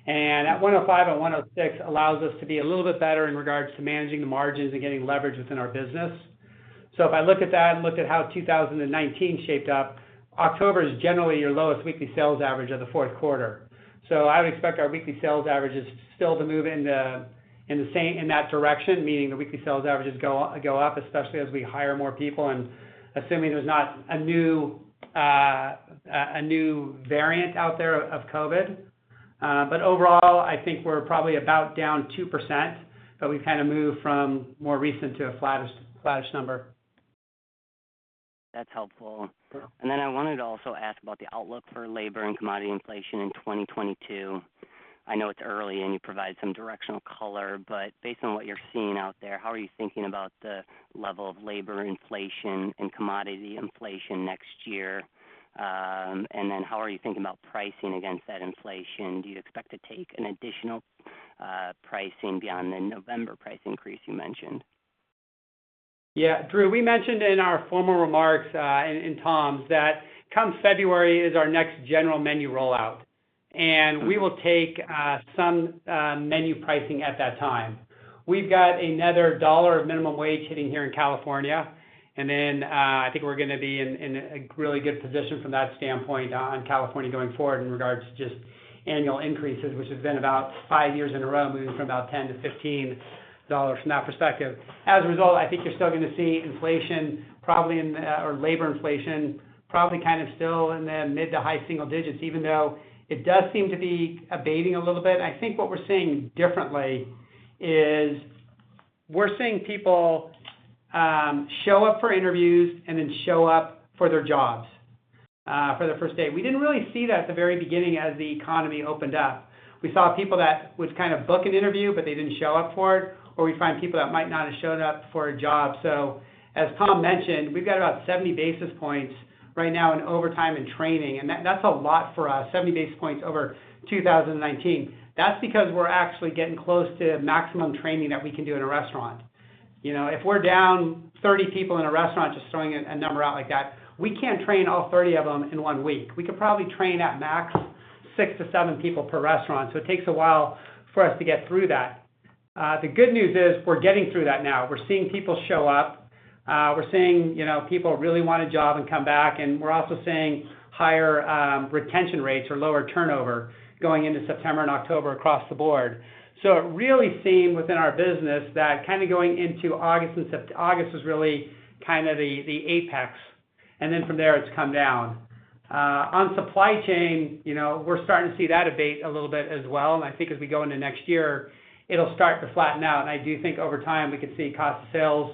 Speaker 2: That 105 and 106 allows us to be a little bit better in regards to managing the margins and getting leverage within our business. If I look at that and look at how 2019 shaped up, October is generally your lowest weekly sales average of the fourth quarter. I would expect our weekly sales averages still to move in that direction, meaning the weekly sales averages go up, especially as we hire more people and assuming there's not a new variant out there of COVID. Overall, I think we're probably about down 2%, but we've moved from more recent to a flattish number.
Speaker 7: That's helpful. I wanted to also ask about the outlook for labor and commodity inflation in 2022. I know it's early, and you provided some directional color. Based on what you're seeing out there, how are you thinking about the level of labor inflation and commodity inflation next year? How are you thinking about pricing against that inflation? Do you expect to take an additional pricing beyond the November price increase you mentioned?
Speaker 2: Yeah. Drew, we mentioned in our formal remarks, in Tom's, that come February is our next general menu rollout, and we will take some menu pricing at that time. We've got another $1 of minimum wage hitting here in California, I think we're going to be in a really good position from that standpoint on California going forward in regards to just annual increases, which have been about five years in a row, moving from about $10-$15 from that perspective. As a result, I think you're still going to see labor inflation, probably kind of still in the mid to high single digits, even though it does seem to be abating a little bit. I think what we're seeing differently is we're seeing people show up for interviews and then show up for their jobs for their first day. We didn't really see that at the very beginning as the economy opened up. We saw people that would kind of book an interview, but they didn't show up for it, or we'd find people that might not have shown up for a job. As Tom mentioned, we've got about 70 basis points right now in overtime and training, and that's a lot for us, 70 basis points over 2019. That's because we're actually getting close to maximum training that we can do in a restaurant. If we're down 30 people in a restaurant, just throwing a number out like that, we can't train all 30 of them in one week. We could probably train at max six to seven people per restaurant. It takes a while for us to get through that. The good news is we're getting through that now. We're seeing people show up. We're seeing people really want a job and come back, and we're also seeing higher retention rates or lower turnover going into September and October across the board. It really seemed within our business that going into August was really the apex, and then from there it's come down. On supply chain, we're starting to see that abate a little bit as well, and I think as we go into next year, it'll start to flatten out. I do think over time, we could see cost of sales,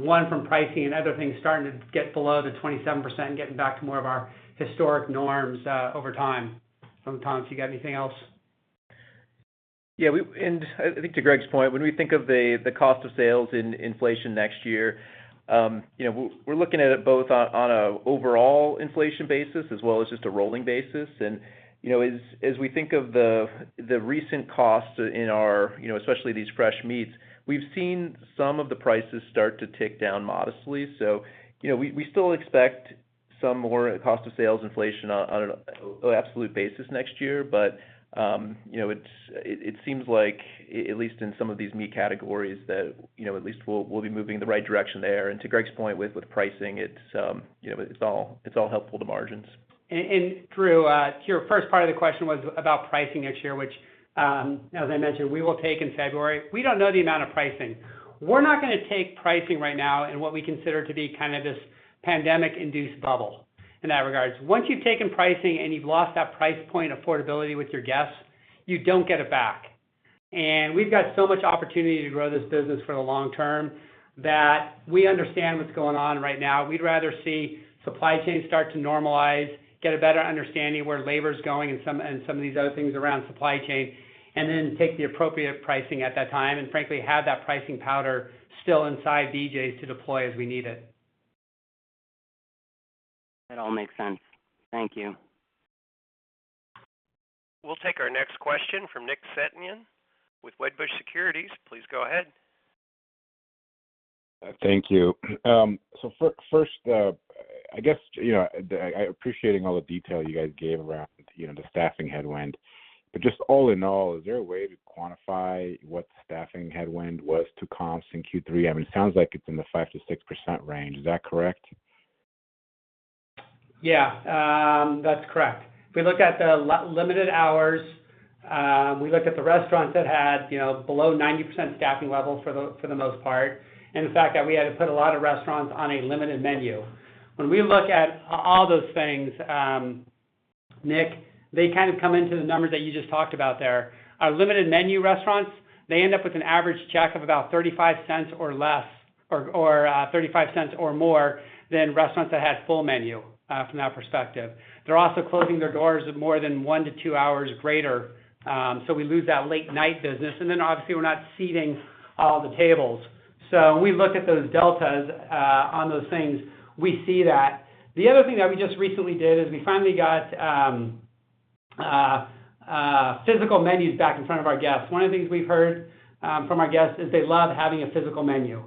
Speaker 2: one from pricing and other things starting to get below the 27%, getting back to more of our historic norms over time. Tom, do you got anything else?
Speaker 4: Yeah. I think to Greg Levin's point, when we think of the cost of sales in inflation next year, we're looking at it both on an overall inflation basis as well as just a rolling basis. As we think of the recent costs in our, especially these fresh meats, we've seen some of the prices start to tick down modestly. We still expect some more cost of sales inflation on an absolute basis next year. It seems like at least in some of these meat categories that at least we'll be moving in the right direction there. To Greg's point with pricing, it's all helpful to margins.
Speaker 2: Drew, your first part of the question was about pricing next year, which, as I mentioned, we will take in February. We don't know the amount of pricing. We're not going to take pricing right now in what we consider to be kind of this pandemic induced bubble in that regards. Once you've taken pricing and you've lost that price point affordability with your guests, you don't get it back. We've got so much opportunity to grow this business for the long term that we understand what's going on right now. We'd rather see supply chains start to normalize, get a better understanding of where labor's going and some of these other things around supply chain, and then take the appropriate pricing at that time, and frankly, have that pricing powder still inside BJ's to deploy as we need it.
Speaker 7: It all makes sense. Thank you.
Speaker 1: We'll take our next question from Nick Setyan with Wedbush Securities. Please go ahead.
Speaker 8: Thank you. First, I guess, I appreciate all the detail you guys gave around the staffing headwind. Just all in all, is there a way to quantify what the staffing headwind was to comps in Q3? I mean, it sounds like it's in the 5%-6% range. Is that correct?
Speaker 2: That's correct. If we look at the limited hours, we look at the restaurants that had below 90% staffing levels for the most part, and the fact that we had to put a lot of restaurants on a limited menu. When we look at all those things, Nick, they kind of come into the numbers that you just talked about there. Our limited menu restaurants, they end up with an average check of about $0.35 or more than restaurants that had full menu from that perspective. They're also closing their doors more than one to two hours greater. We lose that late night business, obviously we're not seating all the tables. When we look at those deltas on those things, we see that. The other thing that we just recently did is we finally got physical menus back in front of our guests. One of the things we've heard from our guests is they love having a physical menu.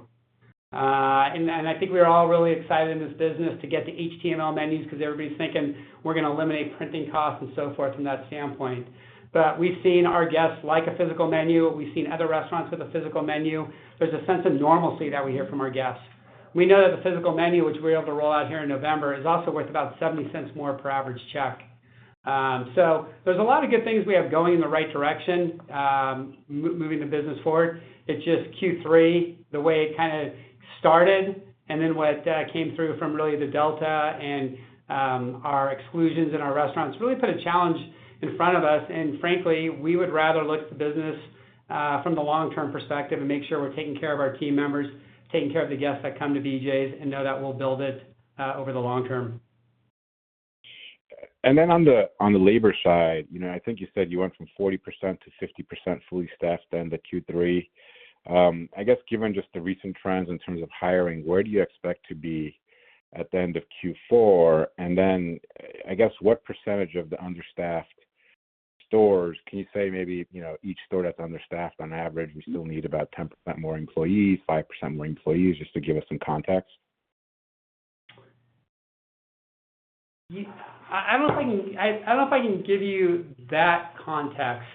Speaker 2: I think we were all really excited in this business to get to HTML menus because everybody's thinking we're going to eliminate printing costs and so forth from that standpoint. We've seen our guests like a physical menu. We've seen other restaurants with a physical menu. There's a sense of normalcy that we hear from our guests. We know that the physical menu, which we'll be able to roll out here in November, is also worth about $0.70 more per average check. There's a lot of good things we have going in the right direction, moving the business forward. It's just Q3, the way it kind of started, what came through from really the Delta and our exclusions in our restaurants really put a challenge in front of us. Frankly, we would rather look at the business from the long-term perspective and make sure we're taking care of our team members, taking care of the guests that come to BJ's, and know that we'll build it over the long term.
Speaker 8: On the labor side, I think you said you went from 40%-50% fully staffed end of Q3. I guess given just the recent trends in terms of hiring, where do you expect to be at the end of Q4, and then, I guess, what percentage of the understaffed stores, can you say maybe each store that's understaffed on average, we still need about 10% more employees, 5% more employees, just to give us some context?
Speaker 2: I don't know if I can give you that context.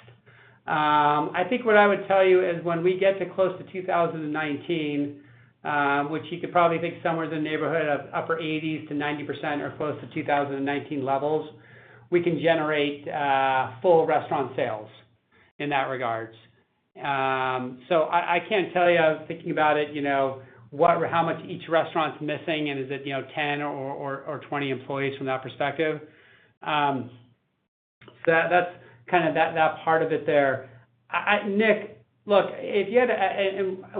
Speaker 2: I think what I would tell you is when we get to close to 2019, which you could probably think somewhere in the neighborhood of upper 80%-90% or close to 2019 levels, we can generate full restaurant sales in that regards. I can't tell you, thinking about it, how much each restaurant's missing and is it 10 or 20 employees from that perspective. Nick, look,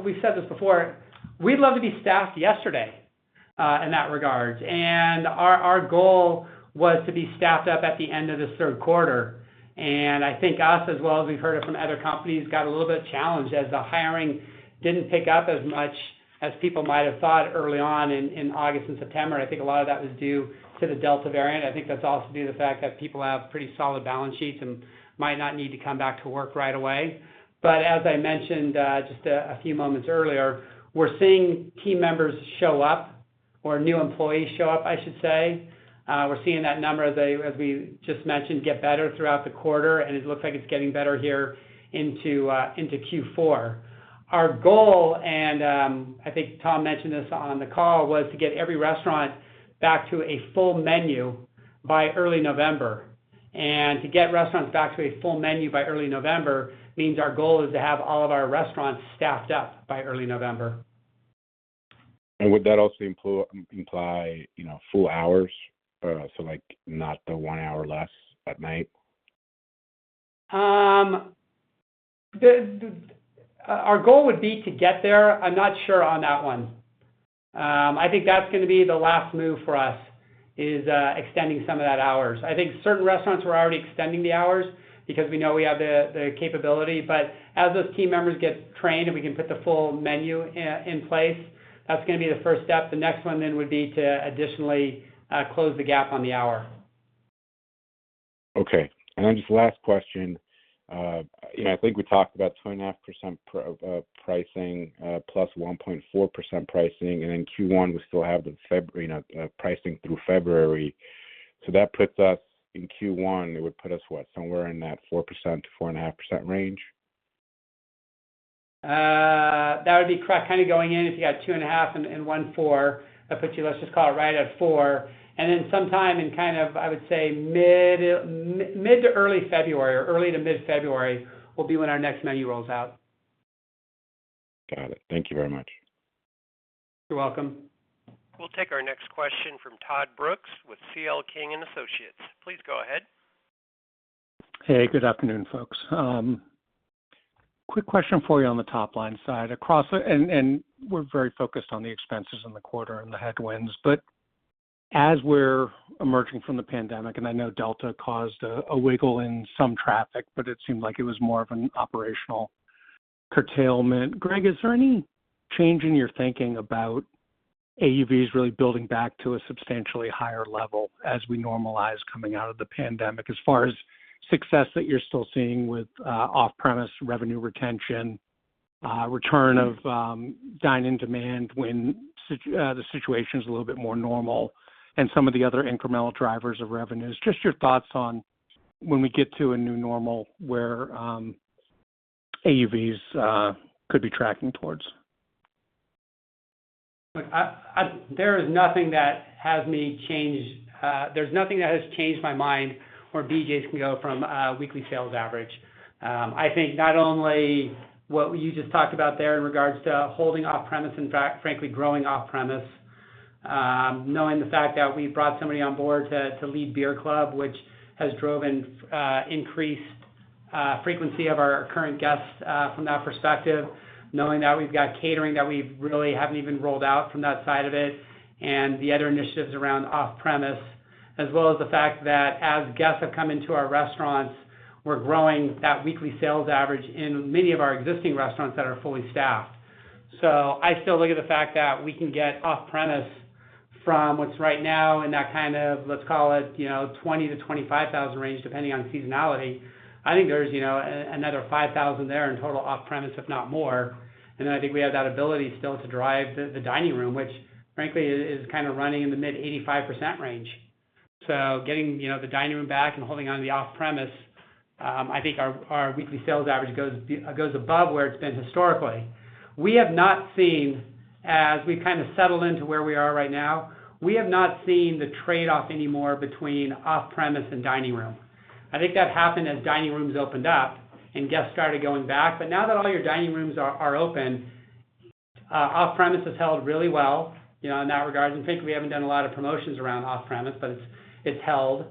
Speaker 2: we've said this before, we'd love to be staffed yesterday, in that regards. Our goal was to be staffed up at the end of the third quarter. I think us, as well as we've heard it from other companies, got a little bit challenged as the hiring didn't pick up as much as people might have thought early on in August and September. I think a lot of that was due to the Delta variant. I think that's also due to the fact that people have pretty solid balance sheets and might not need to come back to work right away. As I mentioned just a few moments earlier, we're seeing team members show up, or new employees show up, I should say. We're seeing that number as we just mentioned, get better throughout the quarter, and it looks like it's getting better here into Q4. Our goal, and I think Tom mentioned this on the call, was to get every restaurant back to a full menu by early November. To get restaurants back to a full menu by early November means our goal is to have all of our restaurants staffed up by early November.
Speaker 8: Would that also imply full hours? Like not the one hour less at night?
Speaker 2: Our goal would be to get there. I'm not sure on that one. I think that's going to be the last move for us, is extending some of that hours. I think certain restaurants, we're already extending the hours because we know we have the capability. As those team members get trained and we can put the full menu in place, that's going to be the first step. The next one would be to additionally close the gap on the hour.
Speaker 8: Okay. Just last question. I think we talked about 2.5% pricing, plus 1.4% pricing, and then Q1, we still have the pricing through February. That puts us in Q1. It would put us, what? Somewhere in that 4%-4.5% range?
Speaker 2: That would be correct. Kind of going in, if you got 2.5% and 1.4%, that puts you, let's just call it right at 4% Then sometime in kind of, I would say mid to early February or early to mid-February will be when our next menu rolls out.
Speaker 8: Got it. Thank you very much.
Speaker 2: You're welcome.
Speaker 1: We'll take our next question from Todd Brooks with C.L. King & Associates. Please go ahead.
Speaker 9: Hey, good afternoon, folks. Quick question for you on the top-line side. We're very focused on the expenses in the quarter and the headwinds, but as we're emerging from the pandemic, I know Delta caused a wiggle in some traffic, but it seemed like it was more of an operational curtailment. Greg, is there any change in your thinking about AUVs really building back to a substantially higher level as we normalize coming out of the pandemic, as far as success that you're still seeing with off-premise revenue retention, return of dine-in demand when the situation's a little bit more normal, and some of the other incremental drivers of revenues? Just your thoughts on when we get to a new normal where AUVs could be tracking towards.
Speaker 2: Look, there is nothing that has changed my mind where BJ's can go from a weekly sales average. I think not only what you just talked about there in regards to holding off-premise, in fact, frankly, growing off-premise. Knowing the fact that we brought somebody on board to lead Beer Club, which has drove an increased frequency of our current guests from that perspective. Knowing that we've got catering that we really haven't even rolled out from that side of it, and the other initiatives around off-premise. As well as the fact that as guests have come into our restaurants, we're growing that weekly sales average in many of our existing restaurants that are fully staffed. I still look at the fact that we can get off-premise from what's right now in that kind of, let's call it, $20,000 to $25,000 range, depending on seasonality. I think there's another $5,000 there in total off-premise, if not more. I think we have that ability still to drive the dining room, which frankly is kind of running in the mid 85% range. Getting the dining room back and holding onto the off-premise, I think our weekly sales average goes above where it's been historically. As we kind of settle into where we are right now, we have not seen the trade-off anymore between off-premise and dining room. I think that happened as dining rooms opened up and guests started going back. Now that all your dining rooms are open, off-premise has held really well in that regards. Frankly, we haven't done a lot of promotions around off-premise, but it's held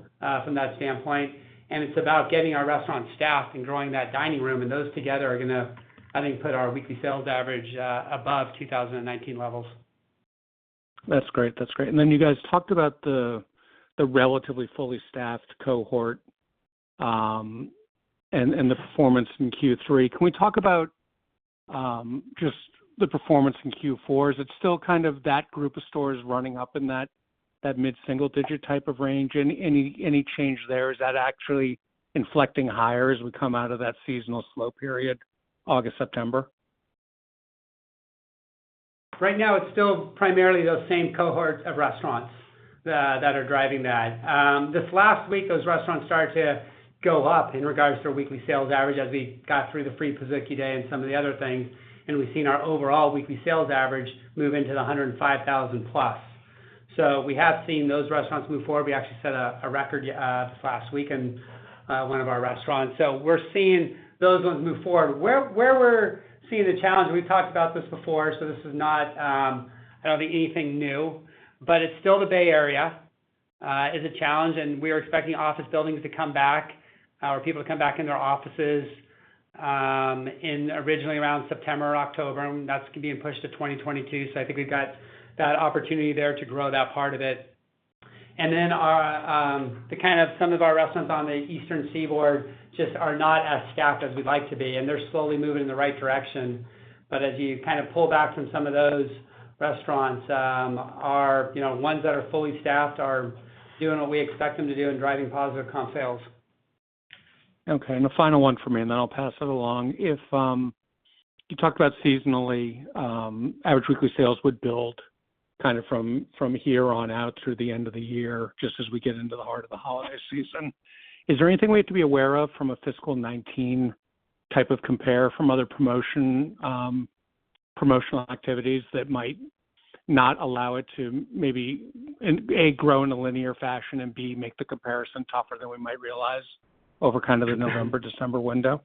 Speaker 2: from that standpoint, and it's about getting our restaurant staffed and growing that dining room, and those together are going to, I think, put our weekly sales average above 2019 levels.
Speaker 9: That's great. Then you guys talked about the relatively fully staffed cohort, and the performance in Q3. Can we talk about just the performance in Q4? Is it still kind of that group of stores running up in that mid-single digit type of range? Any change there? Is that actually inflecting higher as we come out of that seasonal slow period, August, September?
Speaker 2: Right now, it's still primarily those same cohorts of restaurants that are driving that. This last week, those restaurants started to go up in regards to our weekly sales average as we got through the free Pizookie Day and some of the other things, and we've seen our overall weekly sales average move into the $105,000 plus. We have seen those restaurants move forward. We actually set a record this last week in one of our restaurants. We're seeing those ones move forward. Where we're seeing the challenge, we've talked about this before, so this is not, I don't think anything new, but it's still the Bay Area is a challenge, and we are expecting office buildings to come back, or people to come back in their offices in originally around September or October, and that's being pushed to 2022. I think we've got that opportunity there to grow that part of it. Some of our restaurants on the Eastern Seaboard just are not as staffed as we'd like to be, and they're slowly moving in the right direction. As you pull back from some of those restaurants, ones that are fully staffed are doing what we expect them to do and driving positive comp sales.
Speaker 9: Okay. The final one from me, and then I'll pass it along. You talked about seasonally, average weekly sales would build from here on out through the end of the year, just as we get into the heart of the holiday season. Is there anything we have to be aware of from a fiscal 2019 type of compare from other promotional activities that might not allow it to maybe, A, grow in a linear fashion, and B, make the comparison tougher than we might realize over the November, December window?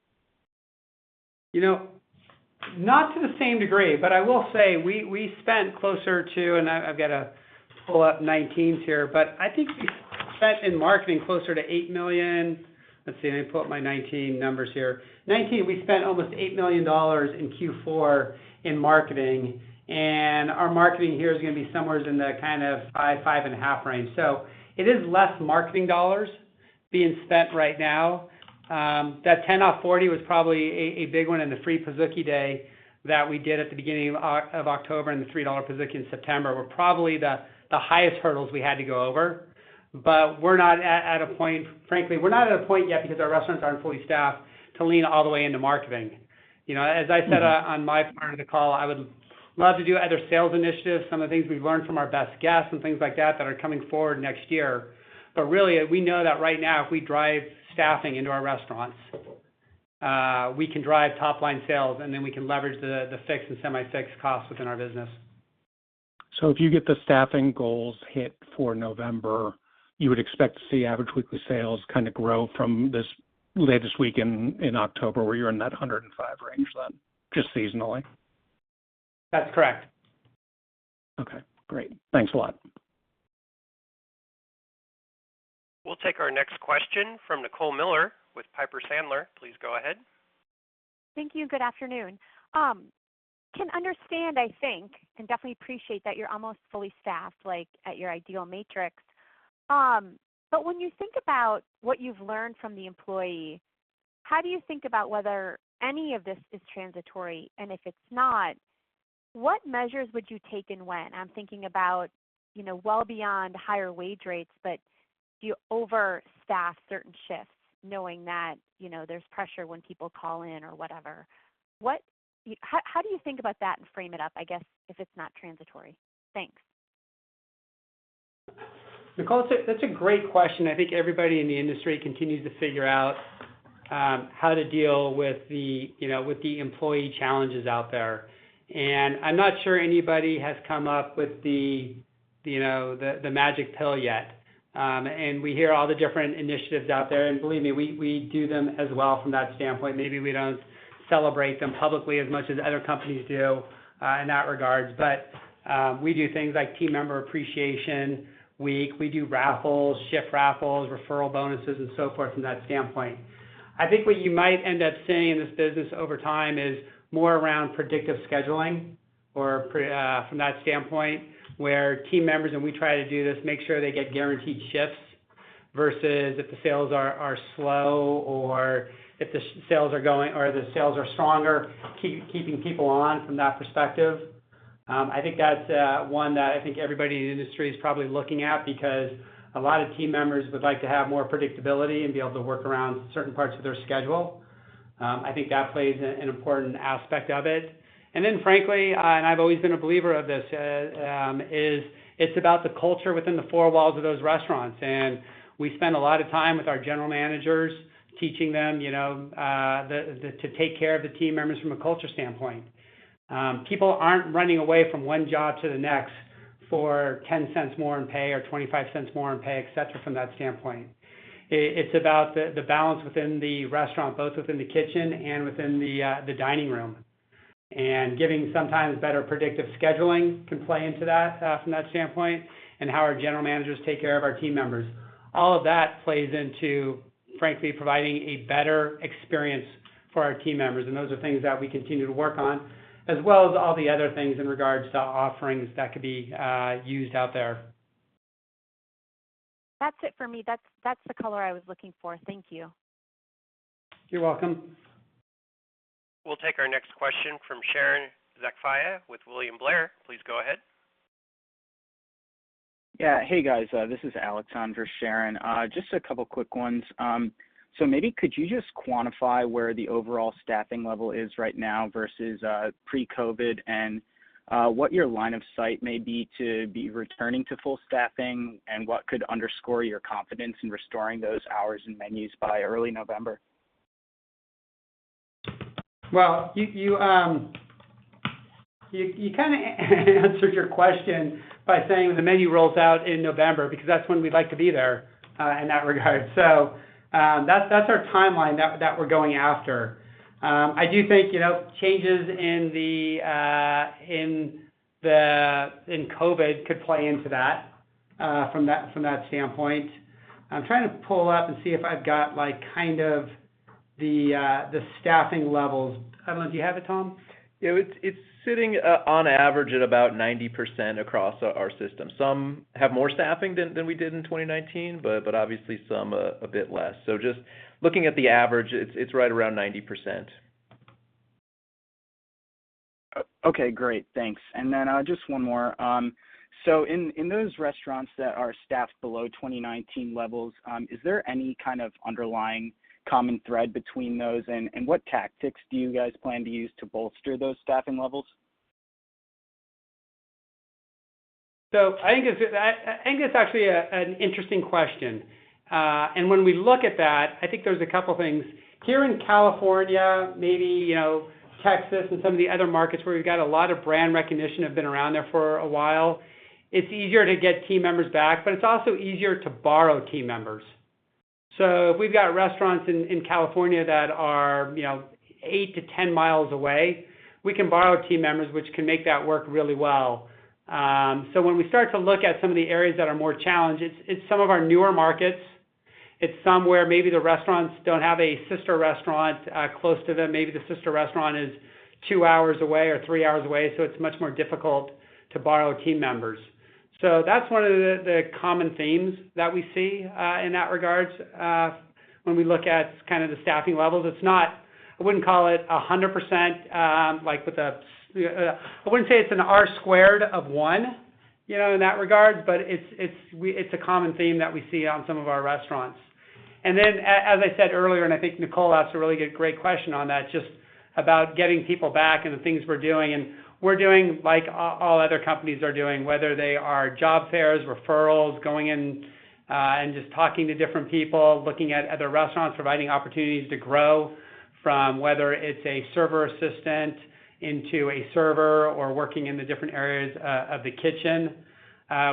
Speaker 2: Not to the same degree, but I will say we spent closer to, and I've got to pull up 2019s here, but I think we spent in marketing closer to $8 million. Let's see. Let me pull up my 2019 numbers here. 2019, we spent almost $8 million in Q4 in marketing, and our marketing here is going to be somewhere in the kind of $5 million-$5.5 million range. It is less marketing dollars being spent right now. That $10 off $40 was probably a big one, and the free Pizookie Day that we did at the beginning of October and the $3 Pizookie in September were probably the highest hurdles we had to go over. We're not at a point yet because our restaurants aren't fully staffed to lean all the way into marketing. As I said on my part of the call, I would love to do other sales initiatives, some of the things we've learned from our best guests and things like that that are coming forward next year. Really, we know that right now, if we drive staffing into our restaurants, we can drive top-line sales, and then we can leverage the fixed and semi-fixed costs within our business.
Speaker 9: If you get the staffing goals hit for November, you would expect to see average weekly sales grow from this latest week in October, where you're in that 105 range then, just seasonally?
Speaker 2: That's correct.
Speaker 9: Okay, great. Thanks a lot.
Speaker 1: We'll take our next question from Nicole Miller with Piper Sandler. Please go ahead.
Speaker 10: Thank you. Good afternoon. Can understand, I think, can definitely appreciate that you're almost fully staffed at your ideal matrix. When you think about what you've learned from the employee, how do you think about whether any of this is transitory? If it's not, what measures would you take and when? I'm thinking about well beyond higher wage rates, but do you overstaff certain shifts knowing that there's pressure when people call in or whatever? How do you think about that and frame it up, I guess, if it's not transitory? Thanks.
Speaker 2: Nicole, that's a great question. I think everybody in the industry continues to figure out how to deal with the employee challenges out there. I'm not sure anybody has come up with the magic pill yet. We hear all the different initiatives out there, and believe me, we do them as well from that standpoint. Maybe we don't celebrate them publicly as much as other companies do in that regards. We do things like team member appreciation week. We do raffles, shift raffles, referral bonuses, and so forth from that standpoint. I think what you might end up seeing in this business over time is more around predictive scheduling or from that standpoint, where team members, and we try to do this, make sure they get guaranteed shifts versus if the sales are slow or if the sales are stronger, keeping people on from that perspective. I think that's one that I think everybody in the industry is probably looking at because a lot of team members would like to have more predictability and be able to work around certain parts of their schedule. I think that plays an important aspect of it. Frankly, I've always been a believer of this, it's about the culture within the four walls of those restaurants. We spend a lot of time with our general managers teaching them to take care of the team members from a culture standpoint. People aren't running away from one job to the next for $0.10 more in pay or $0.25 more in pay, et cetera, from that standpoint. It's about the balance within the restaurant, both within the kitchen and within the dining room. Giving sometimes better predictive scheduling can play into that from that standpoint, and how our general managers take care of our team members. All of that plays into, frankly, providing a better experience for our team members, and those are things that we continue to work on, as well as all the other things in regards to offerings that could be used out there.
Speaker 10: That's it for me. That's the color I was looking for. Thank you.
Speaker 2: You're welcome.
Speaker 1: We'll take our next question from Sharon Zackfia with William Blair. Please go ahead.
Speaker 11: Yeah. Hey, guys. This is Alex on for Sharon. Just a couple of quick ones. Maybe could you just quantify where the overall staffing level is right now versus pre-COVID, and what your line of sight may be to be returning to full staffing, and what could underscore your confidence in restoring those hours and menus by early November?
Speaker 2: Well, you kind of answered your question by saying the menu rolls out in November because that's when we'd like to be there in that regard. That's our timeline that we're going after. I do think changes in COVID could play into that from that standpoint. I'm trying to pull up and see if I've got the staffing levels. I don't know. Do you have it, Tom?
Speaker 4: It's sitting on average at about 90% across our system. Some have more staffing than we did in 2019. Obviously some a bit less. Just looking at the average, it's right around 90%.
Speaker 11: Okay, great. Thanks. Just one more. In those restaurants that are staffed below 2019 levels, is there any kind of underlying common thread between those? What tactics do you guys plan to use to bolster those staffing levels?
Speaker 2: I think it's actually an interesting question. When we look at that, I think there's a couple things. Here in California, maybe Texas, and some of the other markets where we've got a lot of brand recognition, have been around there for a while, it's easier to get team members back. It's also easier to borrow team members. We've got restaurants in California that are 8-10 miles away. We can borrow team members, which can make that work really well. When we start to look at some of the areas that are more challenged, it's some of our newer markets. It's somewhere maybe the restaurants don't have a sister restaurant close to them. Maybe the sister restaurant is two hours away or three hours away, so it's much more difficult to borrow team members. That's one of the common themes that we see in that regards when we look at the staffing levels. I wouldn't say it's an R-squared of 1 in that regard, but it's a common theme that we see on some of our restaurants. As I said earlier, and I think Nicole asked a really great question on that, just about getting people back and the things we're doing. We're doing like all other companies are doing, whether they are job fairs, referrals, going in and just talking to different people, looking at other restaurants, providing opportunities to grow from whether it's a server assistant into a server or working in the different areas of the kitchen.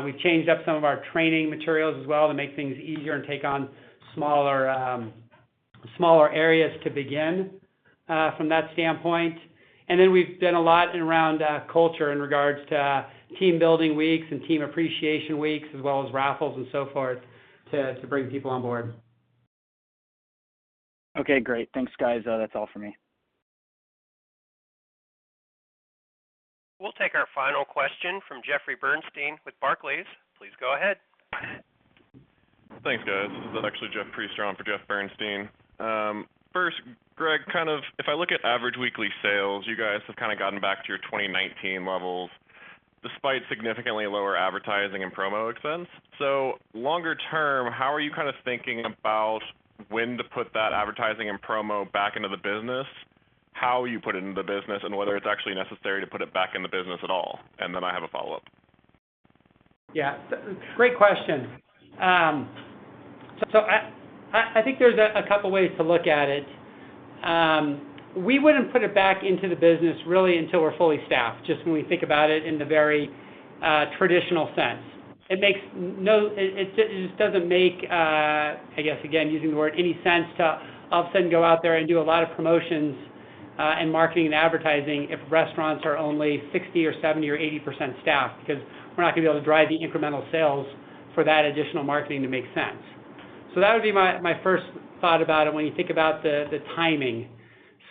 Speaker 2: We've changed up some of our training materials as well to make things easier and take on smaller areas to begin from that standpoint. We've done a lot around culture in regards to team building weeks and team appreciation weeks, as well as raffles and so forth to bring people on board.
Speaker 11: Okay, great. Thanks, guys. That's all for me.
Speaker 1: We'll take our final question from Jeffrey Bernstein with Barclays. Please go ahead.
Speaker 12: Thanks, guys. This is actually Jeff Priester on for Jeffrey Bernstein. First Greg, if I look at average weekly sales going back to 2019 level despite significantly lower advertising and promo expense so longer term, how are you thinking about when to put that advertising and promo back into the business, how you put it into the business, and whether it's actually necessary to put it back in the business at all? Then I have a follow-up.
Speaker 2: Yeah. Great question. I think there's a couple ways to look at it. We wouldn't put it back into the business really until we're fully staffed, just when we think about it in the very traditional sense. It just doesn't make, I guess, again, using the word any sense to all of a sudden go out there and do a lot of promotions in marketing and advertising if restaurants are only 60% or 70% or 80% staffed because we're not going to be able to drive the incremental sales for that additional marketing to make sense. That would be my first thought about it when you think about the timing.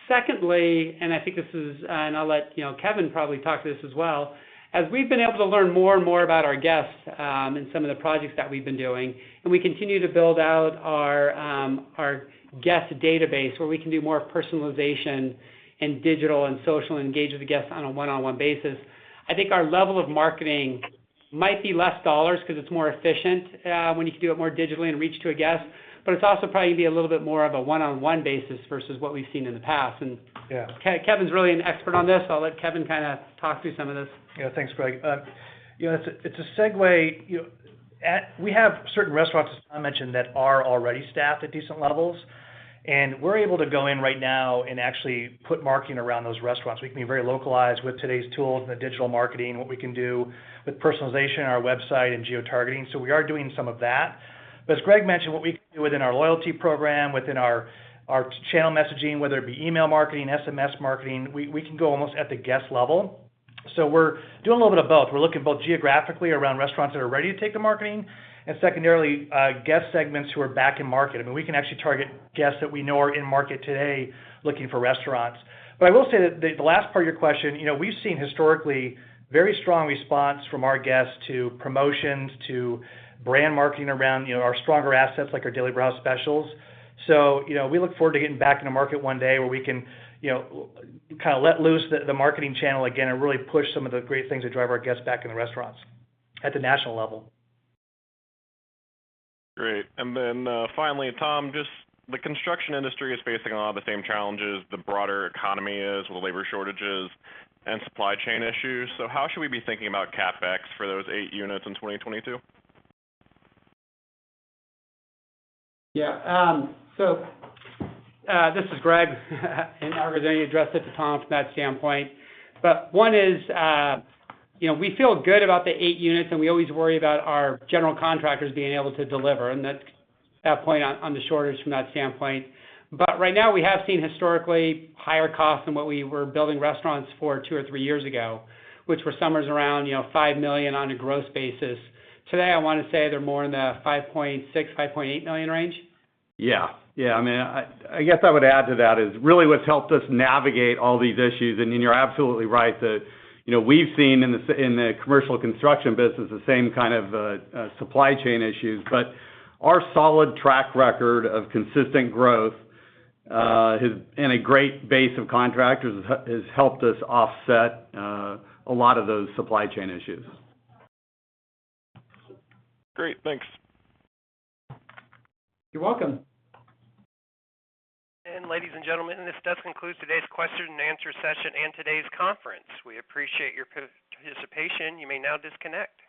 Speaker 2: Secondly, I'll let Kevin probably talk to this as well. As we've been able to learn more and more about our guests in some of the projects that we've been doing, we continue to build out our guest database where we can do more personalization in digital and social, engage with the guests on a one-on-one basis, I think our level of marketing might be less dollars because it's more efficient when you can do it more digitally and reach to a guest, but it's also probably going to be a little bit more of a one-on-one basis versus what we've seen in the past.
Speaker 13: Yeah.
Speaker 2: Kevin's really an expert on this. I'll let Kevin talk through some of this.
Speaker 13: Yeah. Thanks, Greg. It's a segue. We have certain restaurants, as mentioned, that are already staffed at decent levels. We're able to go in right now and actually put marketing around those restaurants. We can be very localized with today's tools and the digital marketing, what we can do with personalization on our website and geotargeting. We are doing some of that. As Greg mentioned, what we can do within our loyalty program, within our channel messaging, whether it be email marketing, SMS marketing, we can go almost at the guest level. We're doing a little bit of both. We're looking both geographically around restaurants that are ready to take the marketing and secondarily, guest segments who are back in market. I mean, we can actually target guests that we know are in market today looking for restaurants. I will say that the last part of your question, we've seen historically very strong response from our guests to promotions, to brand marketing around our stronger assets like our Daily Brewhouse Specials. We look forward to getting back in the market one day where we can let loose the marketing channel again and really push some of the great things that drive our guests back in the restaurants at the national level.
Speaker 12: Great. Finally, Tom, just the construction industry is facing a lot of the same challenges the broader economy is with labor shortages and supply chain issues. How should we be thinking about CapEx for those eight units in 2022?
Speaker 2: Yeah. This is Greg. I was going to address it to Tom from that standpoint. One is we feel good about the eight units, and we always worry about our general contractors being able to deliver, and that's that point on the shortage from that standpoint. Right now, we have seen historically higher costs than what we were building restaurants for two or three years ago, which were somewhere around $5 million on a gross basis. Today, I want to say they're more in the $5.6 million-$5.8 million range.
Speaker 4: Yeah. I guess I would add to that is really what's helped us navigate all these issues, and you're absolutely right that we've seen in the commercial construction business the same kind of supply chain issues. Our solid track record of consistent growth and a great base of contractors has helped us offset a lot of those supply chain issues.
Speaker 12: Great. Thanks.
Speaker 13: You're welcome.
Speaker 1: Ladies and gentlemen, this does conclude today's question and answer session and today's conference. We appreciate your participation. You may now disconnect.